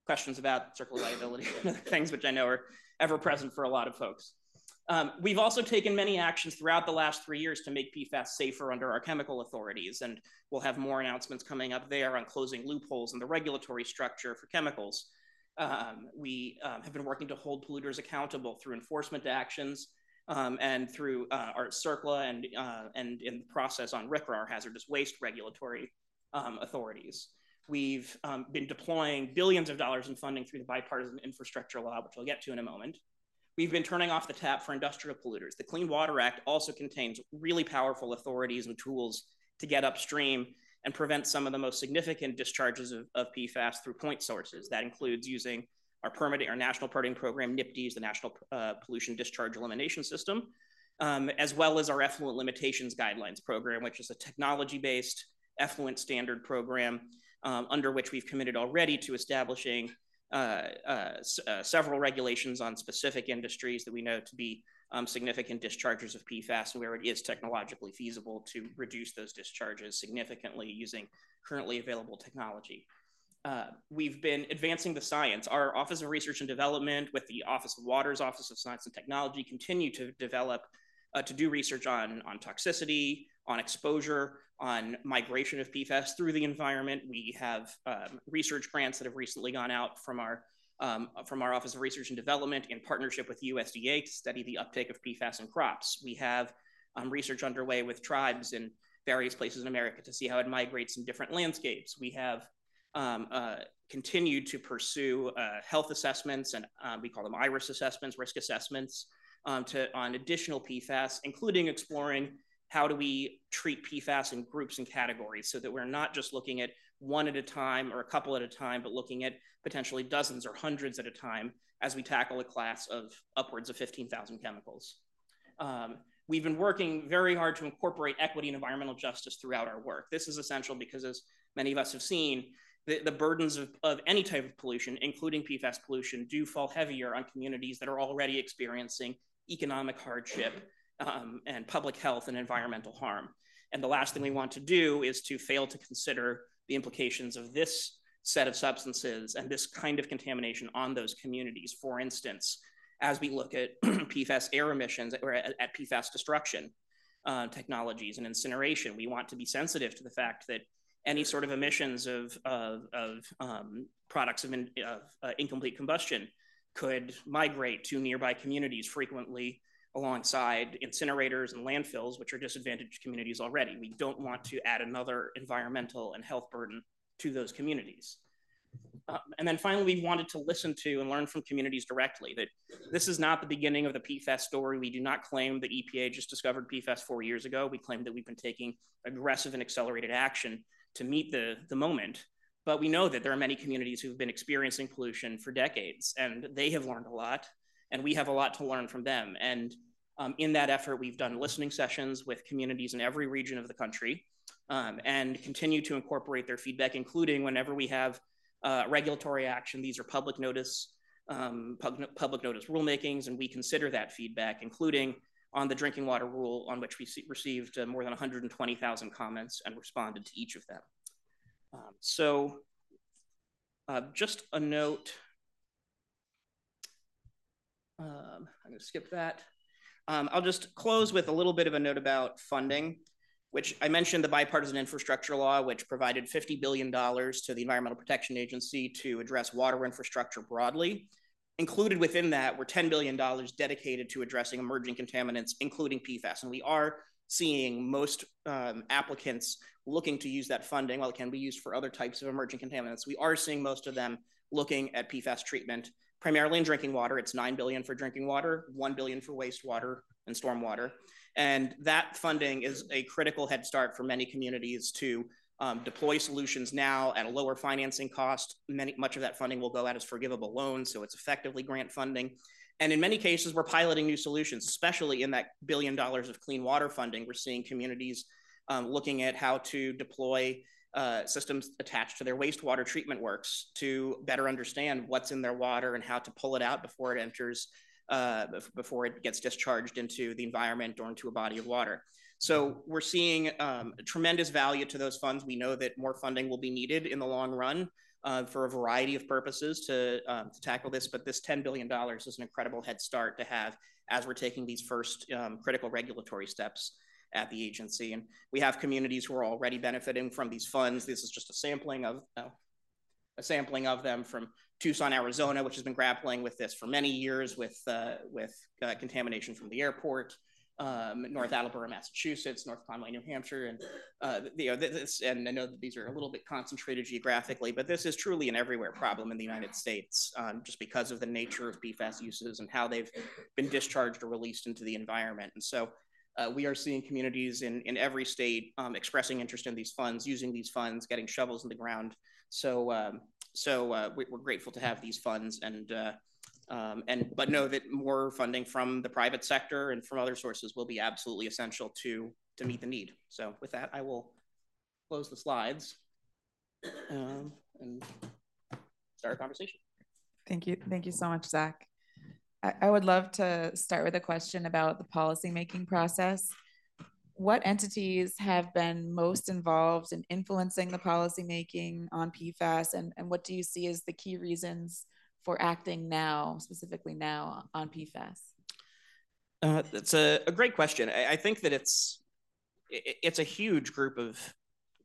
questions about CERCLA liability, things which I know are ever present for a lot of folks. We've also taken many actions throughout the last three years to make PFAS safer under our chemical authorities, and we'll have more announcements coming up there on closing loopholes in the regulatory structure for chemicals. We have been working to hold polluters accountable through enforcement actions, and through our CERCLA and in the process on RCRA, our hazardous waste regulatory authorities. We've been deploying billions of dollars in funding through the Bipartisan Infrastructure Law, which I'll get to in a moment. We've been turning off the tap for industrial polluters. The Clean Water Act also contains really powerful authorities and tools to get upstream and prevent some of the most significant discharges of PFAS through point sources. That includes using our permitting, our National Permitting Program, NPDES, the National Pollutant Discharge Elimination System, as well as our Effluent Limitations Guidelines program, which is a technology-based effluent standard program, under which we've committed already to establishing several regulations on specific industries that we know to be significant dischargers of PFAS, where it is technologically feasible to reduce those discharges significantly using currently available technology. We've been advancing the science. Our Office of Research and Development, with the Office of Water, Office of Science and Technology, continue to develop to do research on toxicity, on exposure, on migration of PFAS through the environment. We have research grants that have recently gone out from our Office of Research and Development in partnership with USDA to study the uptake of PFAS in crops. We have research underway with tribes in various places in America to see how it migrates in different landscapes. We have continued to pursue health assessments and we call them IRIS assessments, risk assessments on additional PFAS, including exploring how do we treat PFAS in groups and categories so that we're not just looking at one at a time or a couple at a time, but looking at potentially dozens or hundreds at a time as we tackle a class of upwards of 15,000 chemicals. We've been working very hard to incorporate equity and environmental justice throughout our work. This is essential because, as many of us have seen, the burdens of any type of pollution, including PFAS pollution, do fall heavier on communities that are already experiencing economic hardship and public health and environmental harm. And the last thing we want to do is to fail to consider the implications of this set of substances and this kind of contamination on those communities. For instance, as we look at PFAS air emissions or at PFAS destruction technologies and incineration, we want to be sensitive to the fact that any sort of emissions of products of incomplete combustion could migrate to nearby communities, frequently alongside incinerators and landfills, which are disadvantaged communities already. We don't want to add another environmental and health burden to those communities. And then finally, we wanted to listen to and learn from communities directly, that this is not the beginning of the PFAS story. We do not claim that EPA just discovered PFAS four years ago. We claim that we've been taking aggressive and accelerated action to meet the moment. But we know that there are many communities who've been experiencing pollution for decades, and they have learned a lot, and we have a lot to learn from them. In that effort, we've done listening sessions with communities in every region of the country, and continue to incorporate their feedback, including whenever we have regulatory action. These are public notice rulemakings, and we consider that feedback, including on the drinking water rule, on which we received more than 120,000 comments and responded to each of them. So, just a note. I'm gonna skip that. I'll just close with a little bit of a note about funding, which I mentioned the Bipartisan Infrastructure Law, which provided $50 billion to the Environmental Protection Agency to address water infrastructure broadly. Included within that were $10 billion dedicated to addressing emerging contaminants, including PFAS. And we are seeing most applicants looking to use that funding, while it can be used for other types of emerging contaminants. We are seeing most of them looking at PFAS treatment, primarily in drinking water. It's $9 billion for drinking water, $1 billion for wastewater and stormwater. And that funding is a critical head start for many communities to deploy solutions now at a lower financing cost. Much of that funding will go out as forgivable loans, so it's effectively grant funding. And in many cases, we're piloting new solutions, especially in that billion dollars of clean water funding. We're seeing communities looking at how to deploy systems attached to their wastewater treatment works to better understand what's in their water and how to pull it out before it enters before it gets discharged into the environment or into a body of water. So we're seeing tremendous value to those funds. We know that more funding will be needed in the long run for a variety of purposes to tackle this, but this $10 billion is an incredible head start to have as we're taking these first critical regulatory steps at the agency. And we have communities who are already benefiting from these funds. This is just a sampling of them from Tucson, Arizona, which has been grappling with this for many years with contamination from the airport, North Attleborough, Massachusetts, North Conway, New Hampshire, and I know that these are a little bit concentrated geographically, but this is truly an everywhere problem in the United States, just because of the nature of PFAS uses and how they've been discharged or released into the environment, and so we are seeing communities in every state expressing interest in these funds, using these funds, getting shovels in the ground, so we are grateful to have these funds, but know that more funding from the private sector and from other sources will be absolutely essential to meet the need. So with that, I will close the slides, and start our conversation. Thank you. Thank you so much, Zach. I would love to start with a question about the policymaking process. What entities have been most involved in influencing the policymaking on PFAS, and what do you see as the key reasons for acting now, specifically now on PFAS? That's a great question. I think that it's a huge group of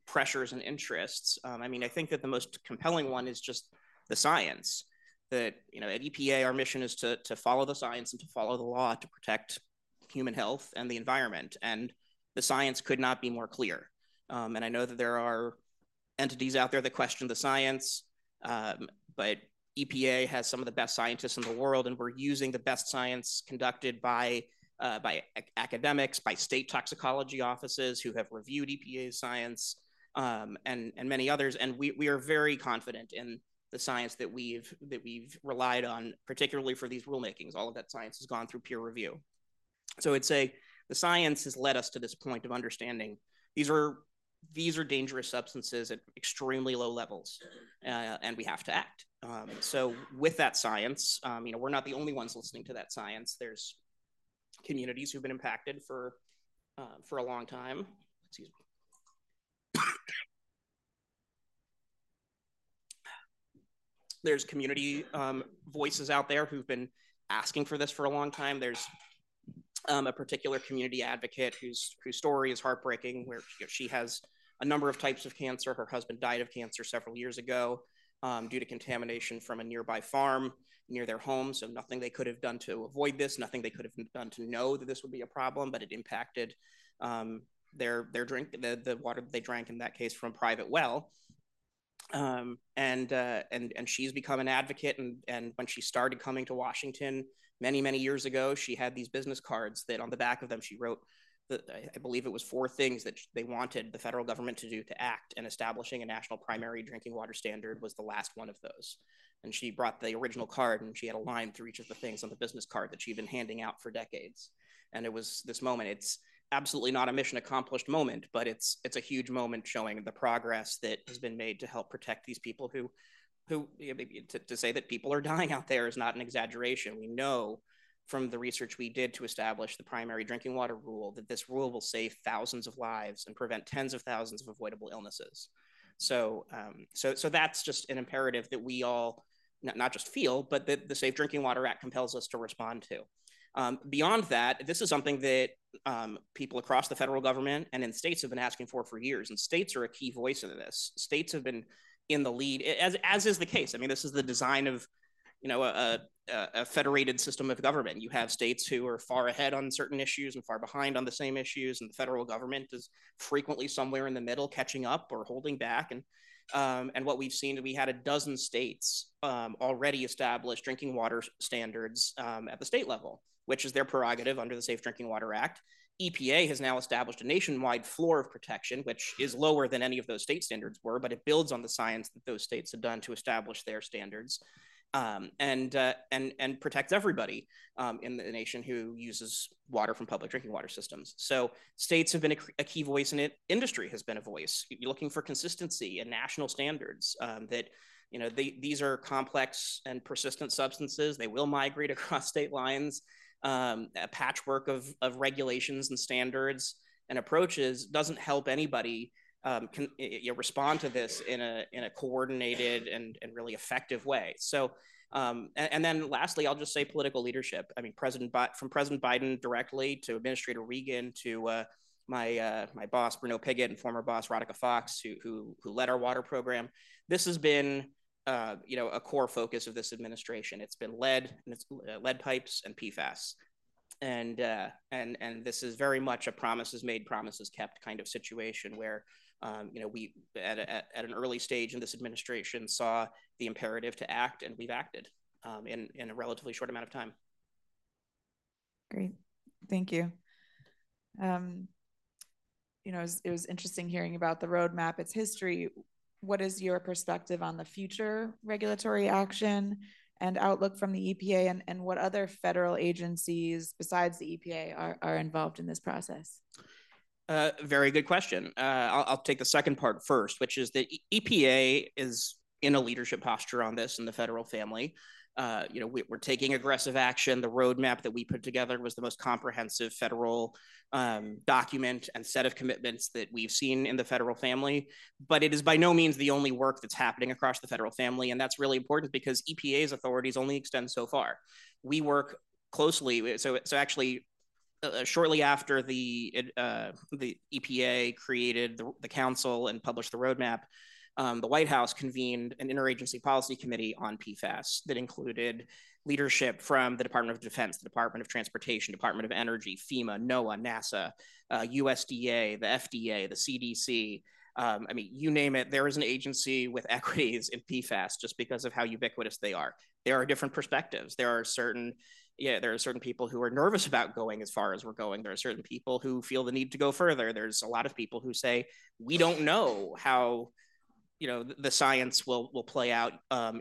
pressures and interests. I mean, I think that the most compelling one is just the science. That, you know, at EPA, our mission is to follow the science and to follow the law to protect human health and the environment, and the science could not be more clear. And I know that there are entities out there that question the science, but EPA has some of the best scientists in the world, and we're using the best science conducted by academics, by state toxicology offices who have reviewed EPA science, and many others. And we are very confident in the science that we've relied on, particularly for these rulemakings. All of that science has gone through peer review. So I'd say the science has led us to this point of understanding. These are dangerous substances at extremely low levels, and we have to act. So with that science, you know, we're not the only ones listening to that science. There are communities who've been impacted for a long time. Excuse me. There are community voices out there who've been asking for this for a long time. There's a particular community advocate whose story is heartbreaking, where she has a number of types of cancer. Her husband died of cancer several years ago, due to contamination from a nearby farm near their home. So nothing they could have done to avoid this, nothing they could have done to know that this would be a problem, but it impacted their drinking water they drank, in that case, from a private well. And she's become an advocate and when she started coming to Washington many, many years ago, she had these business cards that on the back of them, she wrote the, I believe it was four things that they wanted the federal government to do to act, and establishing a national primary drinking water standard was the last one of those. And she brought the original card, and she had a line through each of the things on the business card that she'd been handing out for decades. And it was this moment. It's absolutely not a mission accomplished moment, but it's a huge moment showing the progress that has been made to help protect these people, to say that people are dying out there is not an exaggeration. We know from the research we did to establish the primary drinking water rule, that this rule will save thousands of lives and prevent tens of thousands of avoidable illnesses. So that's just an imperative that we all not just feel, but that the Safe Drinking Water Act compels us to respond to. Beyond that, this is something that people across the federal government and in states have been asking for years, and states are a key voice in this. States have been in the lead, as is the case. I mean, this is the design of, you know, a federated system of government. You have states who are far ahead on certain issues and far behind on the same issues, and the federal government is frequently somewhere in the middle, catching up or holding back. What we've seen, we had a dozen states already establish drinking water standards at the state level, which is their prerogative under the Safe Drinking Water Act. EPA has now established a nationwide floor of protection, which is lower than any of those state standards were, but it builds on the science that those states have done to establish their standards, and protect everybody in the nation who uses water from public drinking water systems. So states have been a key voice, and industry has been a voice. You're looking for consistency and national standards, that, you know, these are complex and persistent substances. They will migrate across state lines. A patchwork of regulations and standards and approaches doesn't help anybody, you know, respond to this in a coordinated and really effective way. And then lastly, I'll just say political leadership. I mean, from President Biden directly to Administrator Regan, to my boss, Bruno Pigott, and former boss, Radhika Fox, who led our water program. This has been a core focus of this administration. It's been lead, and it's lead pipes and PFAS. This is very much a promises made, promises kept kind of situation where, you know, we at an early stage in this administration saw the imperative to act, and we've acted, in a relatively short amount of time. Great, thank you. You know, it was interesting hearing about the roadmap, its history. What is your perspective on the future regulatory action and outlook from the EPA, and what other federal agencies besides the EPA are involved in this process? Very good question. I'll take the second part first, which is that EPA is in a leadership posture on this in the federal family. You know, we're taking aggressive action. The roadmap that we put together was the most comprehensive federal document and set of commitments that we've seen in the federal family, but it is by no means the only work that's happening across the federal family, and that's really important because EPA's authorities only extend so far. We work closely, so actually, shortly after the EPA created the council and published the roadmap, the White House convened an interagency policy committee on PFAS that included leadership from the Department of Defense, the Department of Transportation, Department of Energy, FEMA, NOAA, NASA, USDA, the FDA, the CDC. I mean, you name it, there is an agency with equities in PFAS just because of how ubiquitous they are. There are different perspectives. There are certain people who are nervous about going as far as we're going. There are certain people who feel the need to go further. There's a lot of people who say, "We don't know how, you know, the science will play out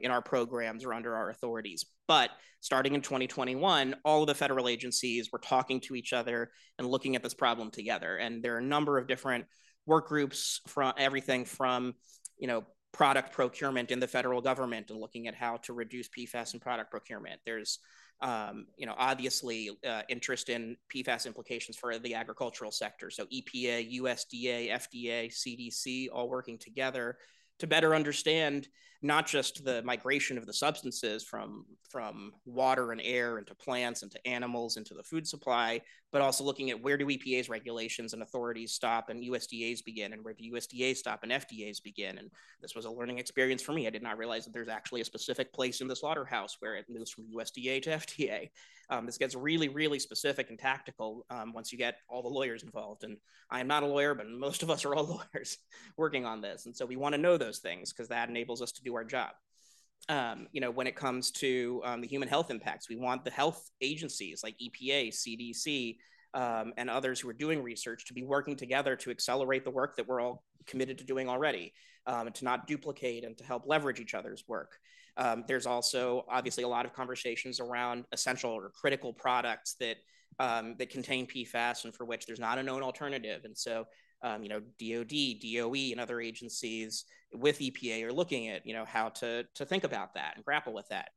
in our programs or under our authorities." But starting in 2021, all the federal agencies were talking to each other and looking at this problem together. And there are a number of different work groups from everything from, you know, product procurement in the federal government and looking at how to reduce PFAS in product procurement. There's, you know, obviously, interest in PFAS implications for the agricultural sector. So EPA, USDA, FDA, CDC, all working together to better understand not just the migration of the substances from water and air into plants, into animals, into the food supply, but also looking at where do EPA's regulations and authorities stop and USDA's begin, and where do USDA's stop and FDA's begin? And this was a learning experience for me. I did not realize that there's actually a specific place in the slaughterhouse where it moves from USDA to FDA. This gets really, really specific and tactical, once you get all the lawyers involved, and I am not a lawyer, but most of us are all lawyers working on this. And so we want to know those things because that enables us to do our job. You know, when it comes to the human health impacts, we want the health agencies like EPA, CDC, and others who are doing research to be working together to accelerate the work that we're all committed to doing already, and to not duplicate and to help leverage each other's work. There's also obviously a lot of conversations around essential or critical products that contain PFAS and for which there's not a known alternative. And so, you know, DoD, DOE, and other agencies with EPA are looking at, you know, how to think about that and grapple with that,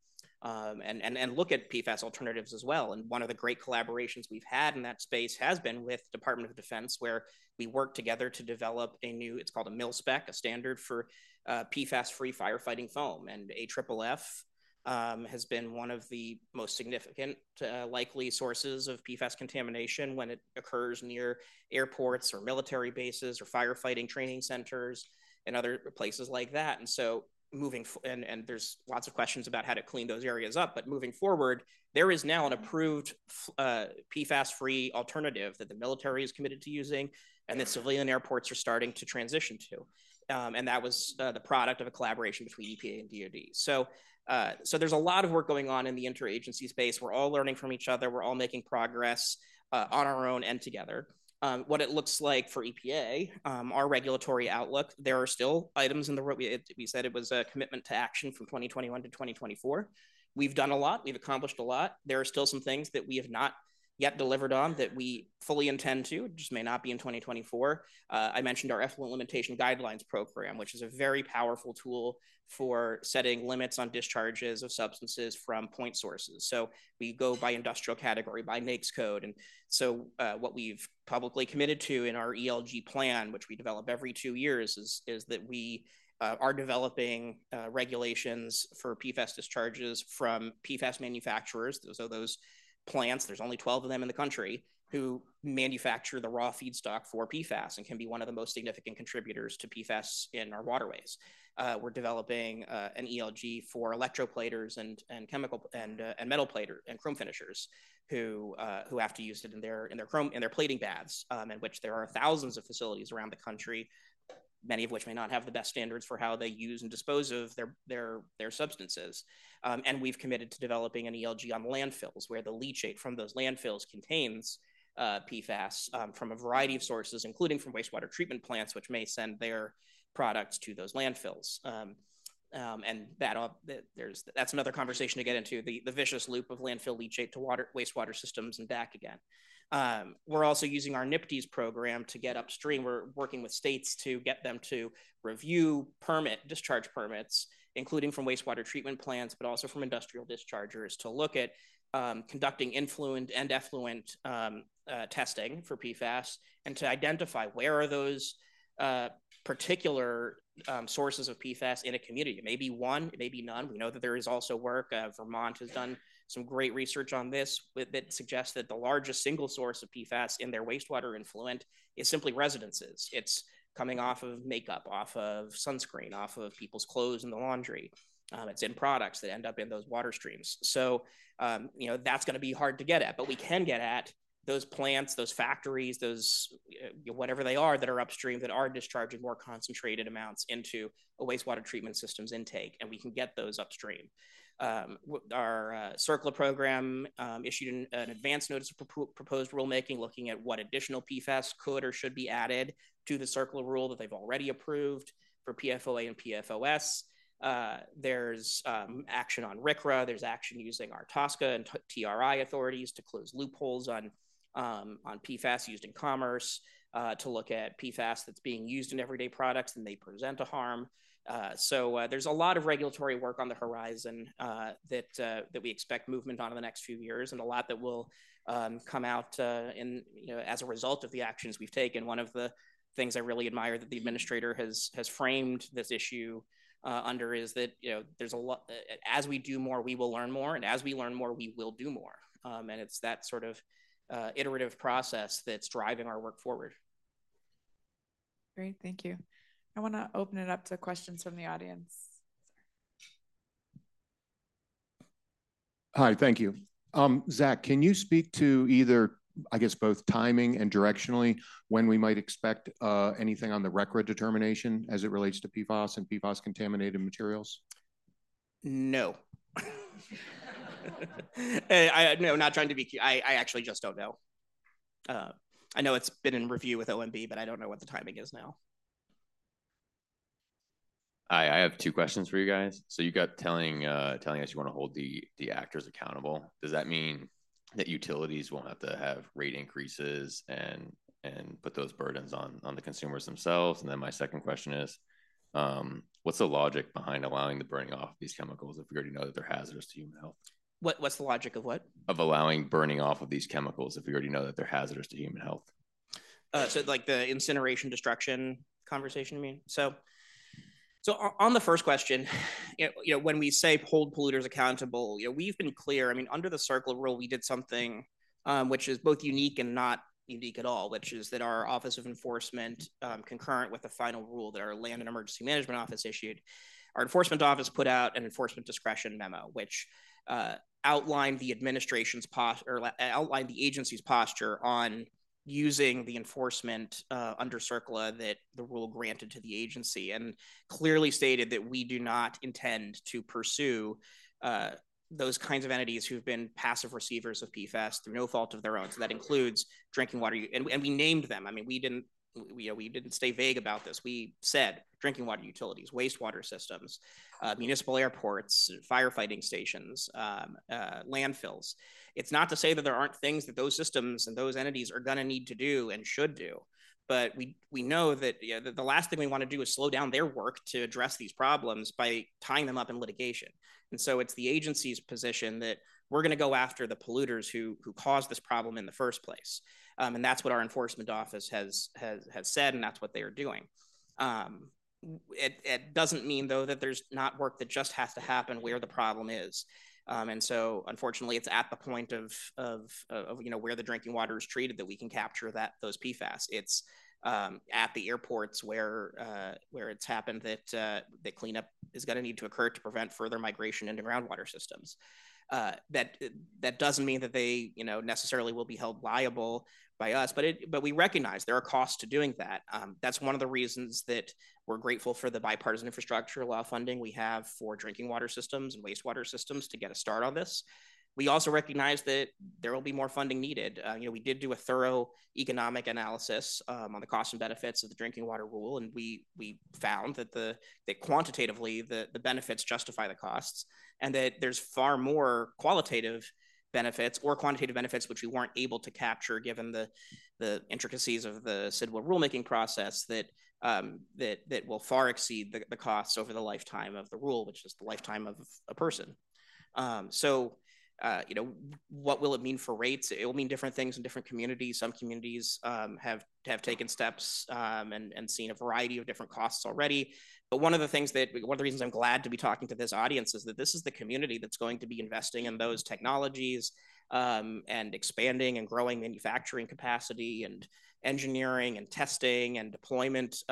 and look at PFAS alternatives as well. And one of the great collaborations we've had in that space has been with Department of Defense, where we worked together to develop a new. It's called a Mil-Spec, a standard for PFAS-free firefighting foam. And AFFF has been one of the most significant likely sources of PFAS contamination when it occurs near airports or military bases or firefighting training centers and other places like that. And so, and there's lots of questions about how to clean those areas up, but moving forward, there is now an approved PFAS-free alternative that the military is committed to using and that civilian airports are starting to transition to. And that was the product of a collaboration between EPA and DoD. So there's a lot of work going on in the interagency space. We're all learning from each other, we're all making progress on our own and together. What it looks like for EPA, our regulatory outlook, there are still items in the road. We said it was a commitment to action from 2021 to 2024. We've done a lot. We've accomplished a lot. There are still some things that we have not yet delivered on that we fully intend to, just may not be in 2024. I mentioned our Effluent Limitations Guidelines program, which is a very powerful tool for setting limits on discharges of substances from point sources. So we go by industrial category, by NAICS code. And so, what we've publicly committed to in our ELG plan, which we develop every two years, is that we are developing regulations for PFAS discharges from PFAS manufacturers. Those are the plants. There's only 12 of them in the country who manufacture the raw feedstock for PFAS and can be one of the most significant contributors to PFAS in our waterways. We're developing an ELG for electroplaters and chemical and metal platers and chrome finishers who have to use it in their chrome plating baths. And there are thousands of facilities around the country, many of which may not have the best standards for how they use and dispose of their substances. And we've committed to developing an ELG on landfills, where the leachate from those landfills contains PFAS from a variety of sources, including from wastewater treatment plants, which may send their products to those landfills. And that's another conversation to get into, the vicious loop of landfill leachate to wastewater systems and back again. We're also using our NPDES program to get upstream. We're working with states to get them to review permit discharge permits, including from wastewater treatment plants, but also from industrial dischargers to look at conducting influent and effluent testing for PFAS, and to identify where are those particular sources of PFAS in a community. It may be one, it may be none. We know that there is also work Vermont has done some great research on this, that suggests that the largest single source of PFAS in their wastewater influent is simply residences. It's coming off of makeup, off of sunscreen, off of people's clothes in the laundry. It's in products that end up in those water streams, so you know, that's gonna be hard to get at, but we can get at those plants, those factories, those whatever they are, that are upstream, that are discharging more concentrated amounts into a wastewater treatment system's intake, and we can get those upstream. Our CERCLA program issued an Advance Notice of Proposed Rulemaking, looking at what additional PFAS could or should be added to the CERCLA rule that they've already approved for PFOA and PFOS. There's action on RCRA, there's action using our TSCA and TRI authorities to close loopholes on PFAS used in commerce, to look at PFAS that's being used in everyday products, and they present a harm. So, there's a lot of regulatory work on the horizon that we expect movement on in the next few years, and a lot that will come out, and, you know, as a result of the actions we've taken. One of the things I really admire that the administrator has framed this issue under is that, you know, as we do more, we will learn more, and as we learn more, we will do more. And it's that sort of iterative process that's driving our work forward. Great, thank you. I wanna open it up to questions from the audience. Sorry. Hi, thank you. Zach, can you speak to either, I guess, both timing and directionally, when we might expect anything on the record determination as it relates to PFAS and PFAS-contaminated materials? No, not trying to be cute. I actually just don't know. I know it's been in review with OMB, but I don't know what the timing is now. I have two questions for you guys. So you're telling us you wanna hold the actors accountable. Does that mean that utilities won't have to have rate increases and put those burdens on the consumers themselves? And then my second question is, what's the logic behind allowing the burning off of these chemicals if we already know that they're hazardous to human health? What's the logic of what? Of allowing burning off of these chemicals if we already know that they're hazardous to human health? So like the incineration destruction conversation, you mean? So on the first question, you know, when we say hold polluters accountable, you know, we've been clear. I mean, under the CERCLA rule, we did something which is both unique and not unique at all, which is that our Office of Enforcement concurrent with the final rule that our Land and Emergency Management Office issued, our enforcement office put out an enforcement discretion memo, which outlined the agency's posture on using the enforcement under CERCLA that the rule granted to the agency and clearly stated that we do not intend to pursue those kinds of entities who've been passive receivers of PFAS through no fault of their own. So that includes drinking water. And we named them. I mean, we didn't stay vague about this. We said drinking water utilities, wastewater systems, municipal airports, firefighting stations, landfills. It's not to say that there aren't things that those systems and those entities are gonna need to do and should do, but we know that, you know, the last thing we want to do is slow down their work to address these problems by tying them up in litigation. And so it's the agency's position that we're gonna go after the polluters who caused this problem in the first place, and that's what our enforcement office has said, and that's what they are doing. It doesn't mean, though, that there's not work that just has to happen where the problem is. And so unfortunately, it's at the point of, you know, where the drinking water is treated, that we can capture those PFAS. It's at the airports where it's happened that cleanup is gonna need to occur to prevent further migration into groundwater systems. That doesn't mean that they, you know, necessarily will be held liable by us, but we recognize there are costs to doing that. That's one of the reasons that we're grateful for the bipartisan infrastructure law funding we have for drinking water systems and wastewater systems to get a start on this. We also recognize that there will be more funding needed. You know, we did do a thorough economic analysis on the cost and benefits of the drinking water rule, and we found that quantitatively, the benefits justify the costs, and that there's far more qualitative benefits or quantitative benefits which we weren't able to capture, given the intricacies of the SDWA rulemaking process, that will far exceed the costs over the lifetime of the rule, which is the lifetime of a person. You know, what will it mean for rates? It will mean different things in different communities. Some communities have taken steps and seen a variety of different costs already. But one of the reasons I'm glad to be talking to this audience is that this is the community that's going to be investing in those technologies, and expanding and growing manufacturing capacity and engineering and testing and deployment,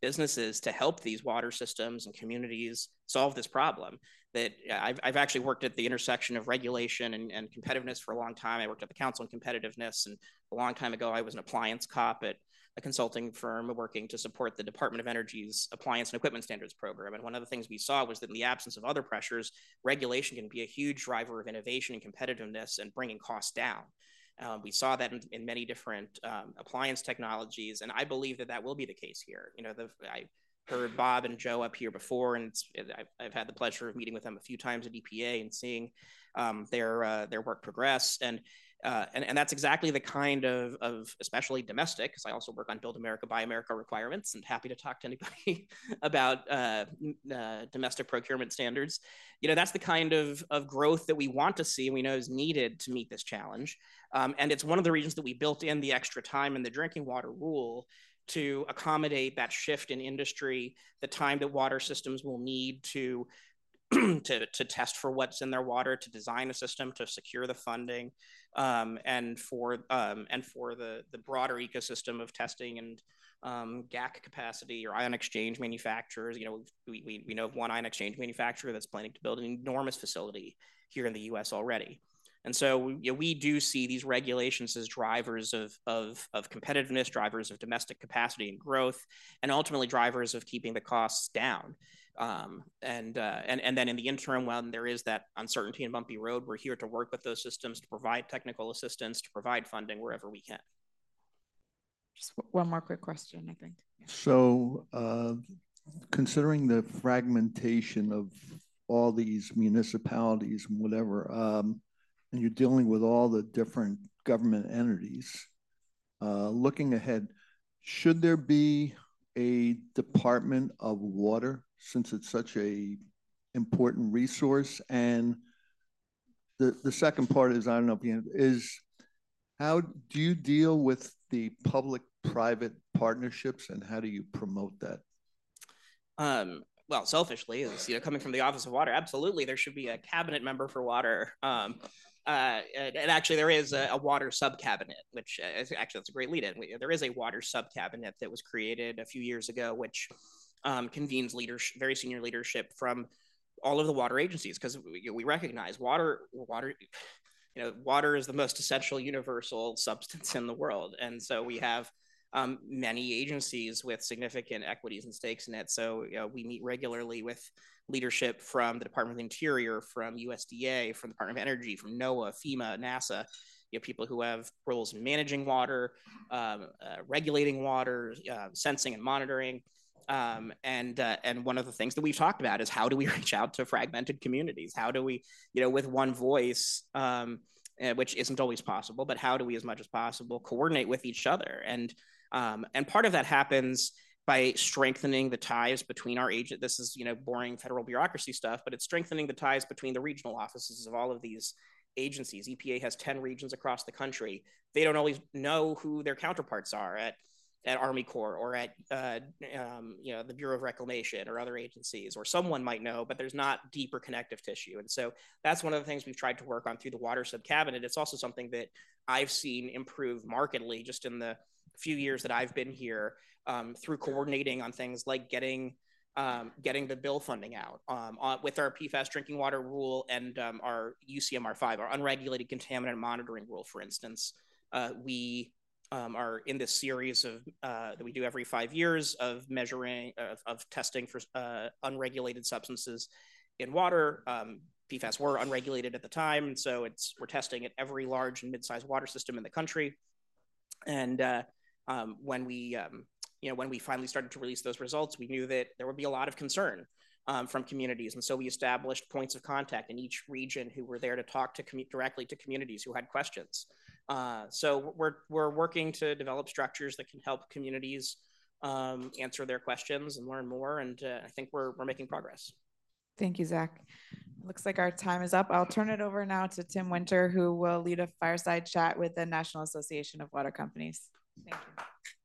businesses to help these water systems and communities solve this problem. That, I've actually worked at the intersection of regulation and competitiveness for a long time. I worked at the Council on Competitiveness, and a long time ago I was an appliance cop at a consulting firm working to support the Department of Energy's Appliance and Equipment Standards program. And one of the things we saw was that in the absence of other pressures, regulation can be a huge driver of innovation and competitiveness and bringing costs down. We saw that in many different appliance technologies, and I believe that that will be the case here. You know, I heard Bob and Joe up here before, and I've had the pleasure of meeting with them a few times at EPA and seeing their work progress. And that's exactly the kind of especially domestic, 'cause I also work on Build America, Buy America requirements, and happy to talk to anybody about domestic procurement standards. You know, that's the kind of growth that we want to see, and we know is needed to meet this challenge. And it's one of the reasons that we built in the extra time in the drinking water rule to accommodate that shift in industry, the time that water systems will need to test for what's in their water, to design a system, to secure the funding, and for the broader ecosystem of testing and GAC capacity or ion exchange manufacturers. You know, we know of one ion exchange manufacturer that's planning to build an enormous facility here in the U.S. already. And so, you know, we do see these regulations as drivers of competitiveness, drivers of domestic capacity and growth, and ultimately drivers of keeping the costs down. And then in the interim, when there is that uncertainty and bumpy road, we're here to work with those systems to provide technical assistance, to provide funding wherever we can. Just one more quick question, I think. So, considering the fragmentation of all these municipalities and whatever, and you're dealing with all the different government entities, looking ahead, should there be a Department of Water, since it's such a important resource? And the second part is, I don't know, is: how do you deal with the public-private partnerships, and how do you promote that? Well, selfishly, as you know, coming from the Office of Water, absolutely, there should be a cabinet member for water. Actually, there is a Water Subcabinet, which actually that's a great lead-in. There is a Water Subcabinet that was created a few years ago, which convenes very senior leadership from all of the water agencies, 'cause we recognize water, you know, water is the most essential universal substance in the world. And so we have many agencies with significant equities and stakes in it. So, you know, we meet regularly with leadership from the Department of the Interior, from USDA, from the Department of Energy, from NOAA, FEMA, NASA, you know, people who have roles in managing water, regulating water, sensing and monitoring. And one of the things that we've talked about is how do we reach out to fragmented communities? How do we, you know, with one voice, which isn't always possible, but how do we as much as possible coordinate with each other? And part of that happens by strengthening the ties between our agent-- this is, you know, boring federal bureaucracy stuff, but it's strengthening the ties between the regional offices of all of these agencies. EPA has ten regions across the country. They don't always know who their counterparts are at Army Corps or at, you know, the Bureau of Reclamation or other agencies, or someone might know, but there's not deeper connective tissue. And so that's one of the things we've tried to work on through the water sub-cabinet. It's also something that I've seen improve markedly just in the few years that I've been here, through coordinating on things like getting the bill funding out, on with our PFAS drinking water rule and our UCMR 5, our Unregulated Contaminant Monitoring Rule, for instance. We are in this series that we do every five years of measuring, of testing for unregulated substances in water. PFAS were unregulated at the time, and so it's. We're testing at every large and mid-sized water system in the country. And when we you know, when we finally started to release those results, we knew that there would be a lot of concern from communities. And so we established points of contact in each region who were there to talk directly to communities who had questions. So we're working to develop structures that can help communities answer their questions and learn more, and I think we're making progress. Thank you, Zach. It looks like our time is up. I'll turn it over now to Tim Winter, who will lead a fireside chat with the National Association of Water Companies. Thank you.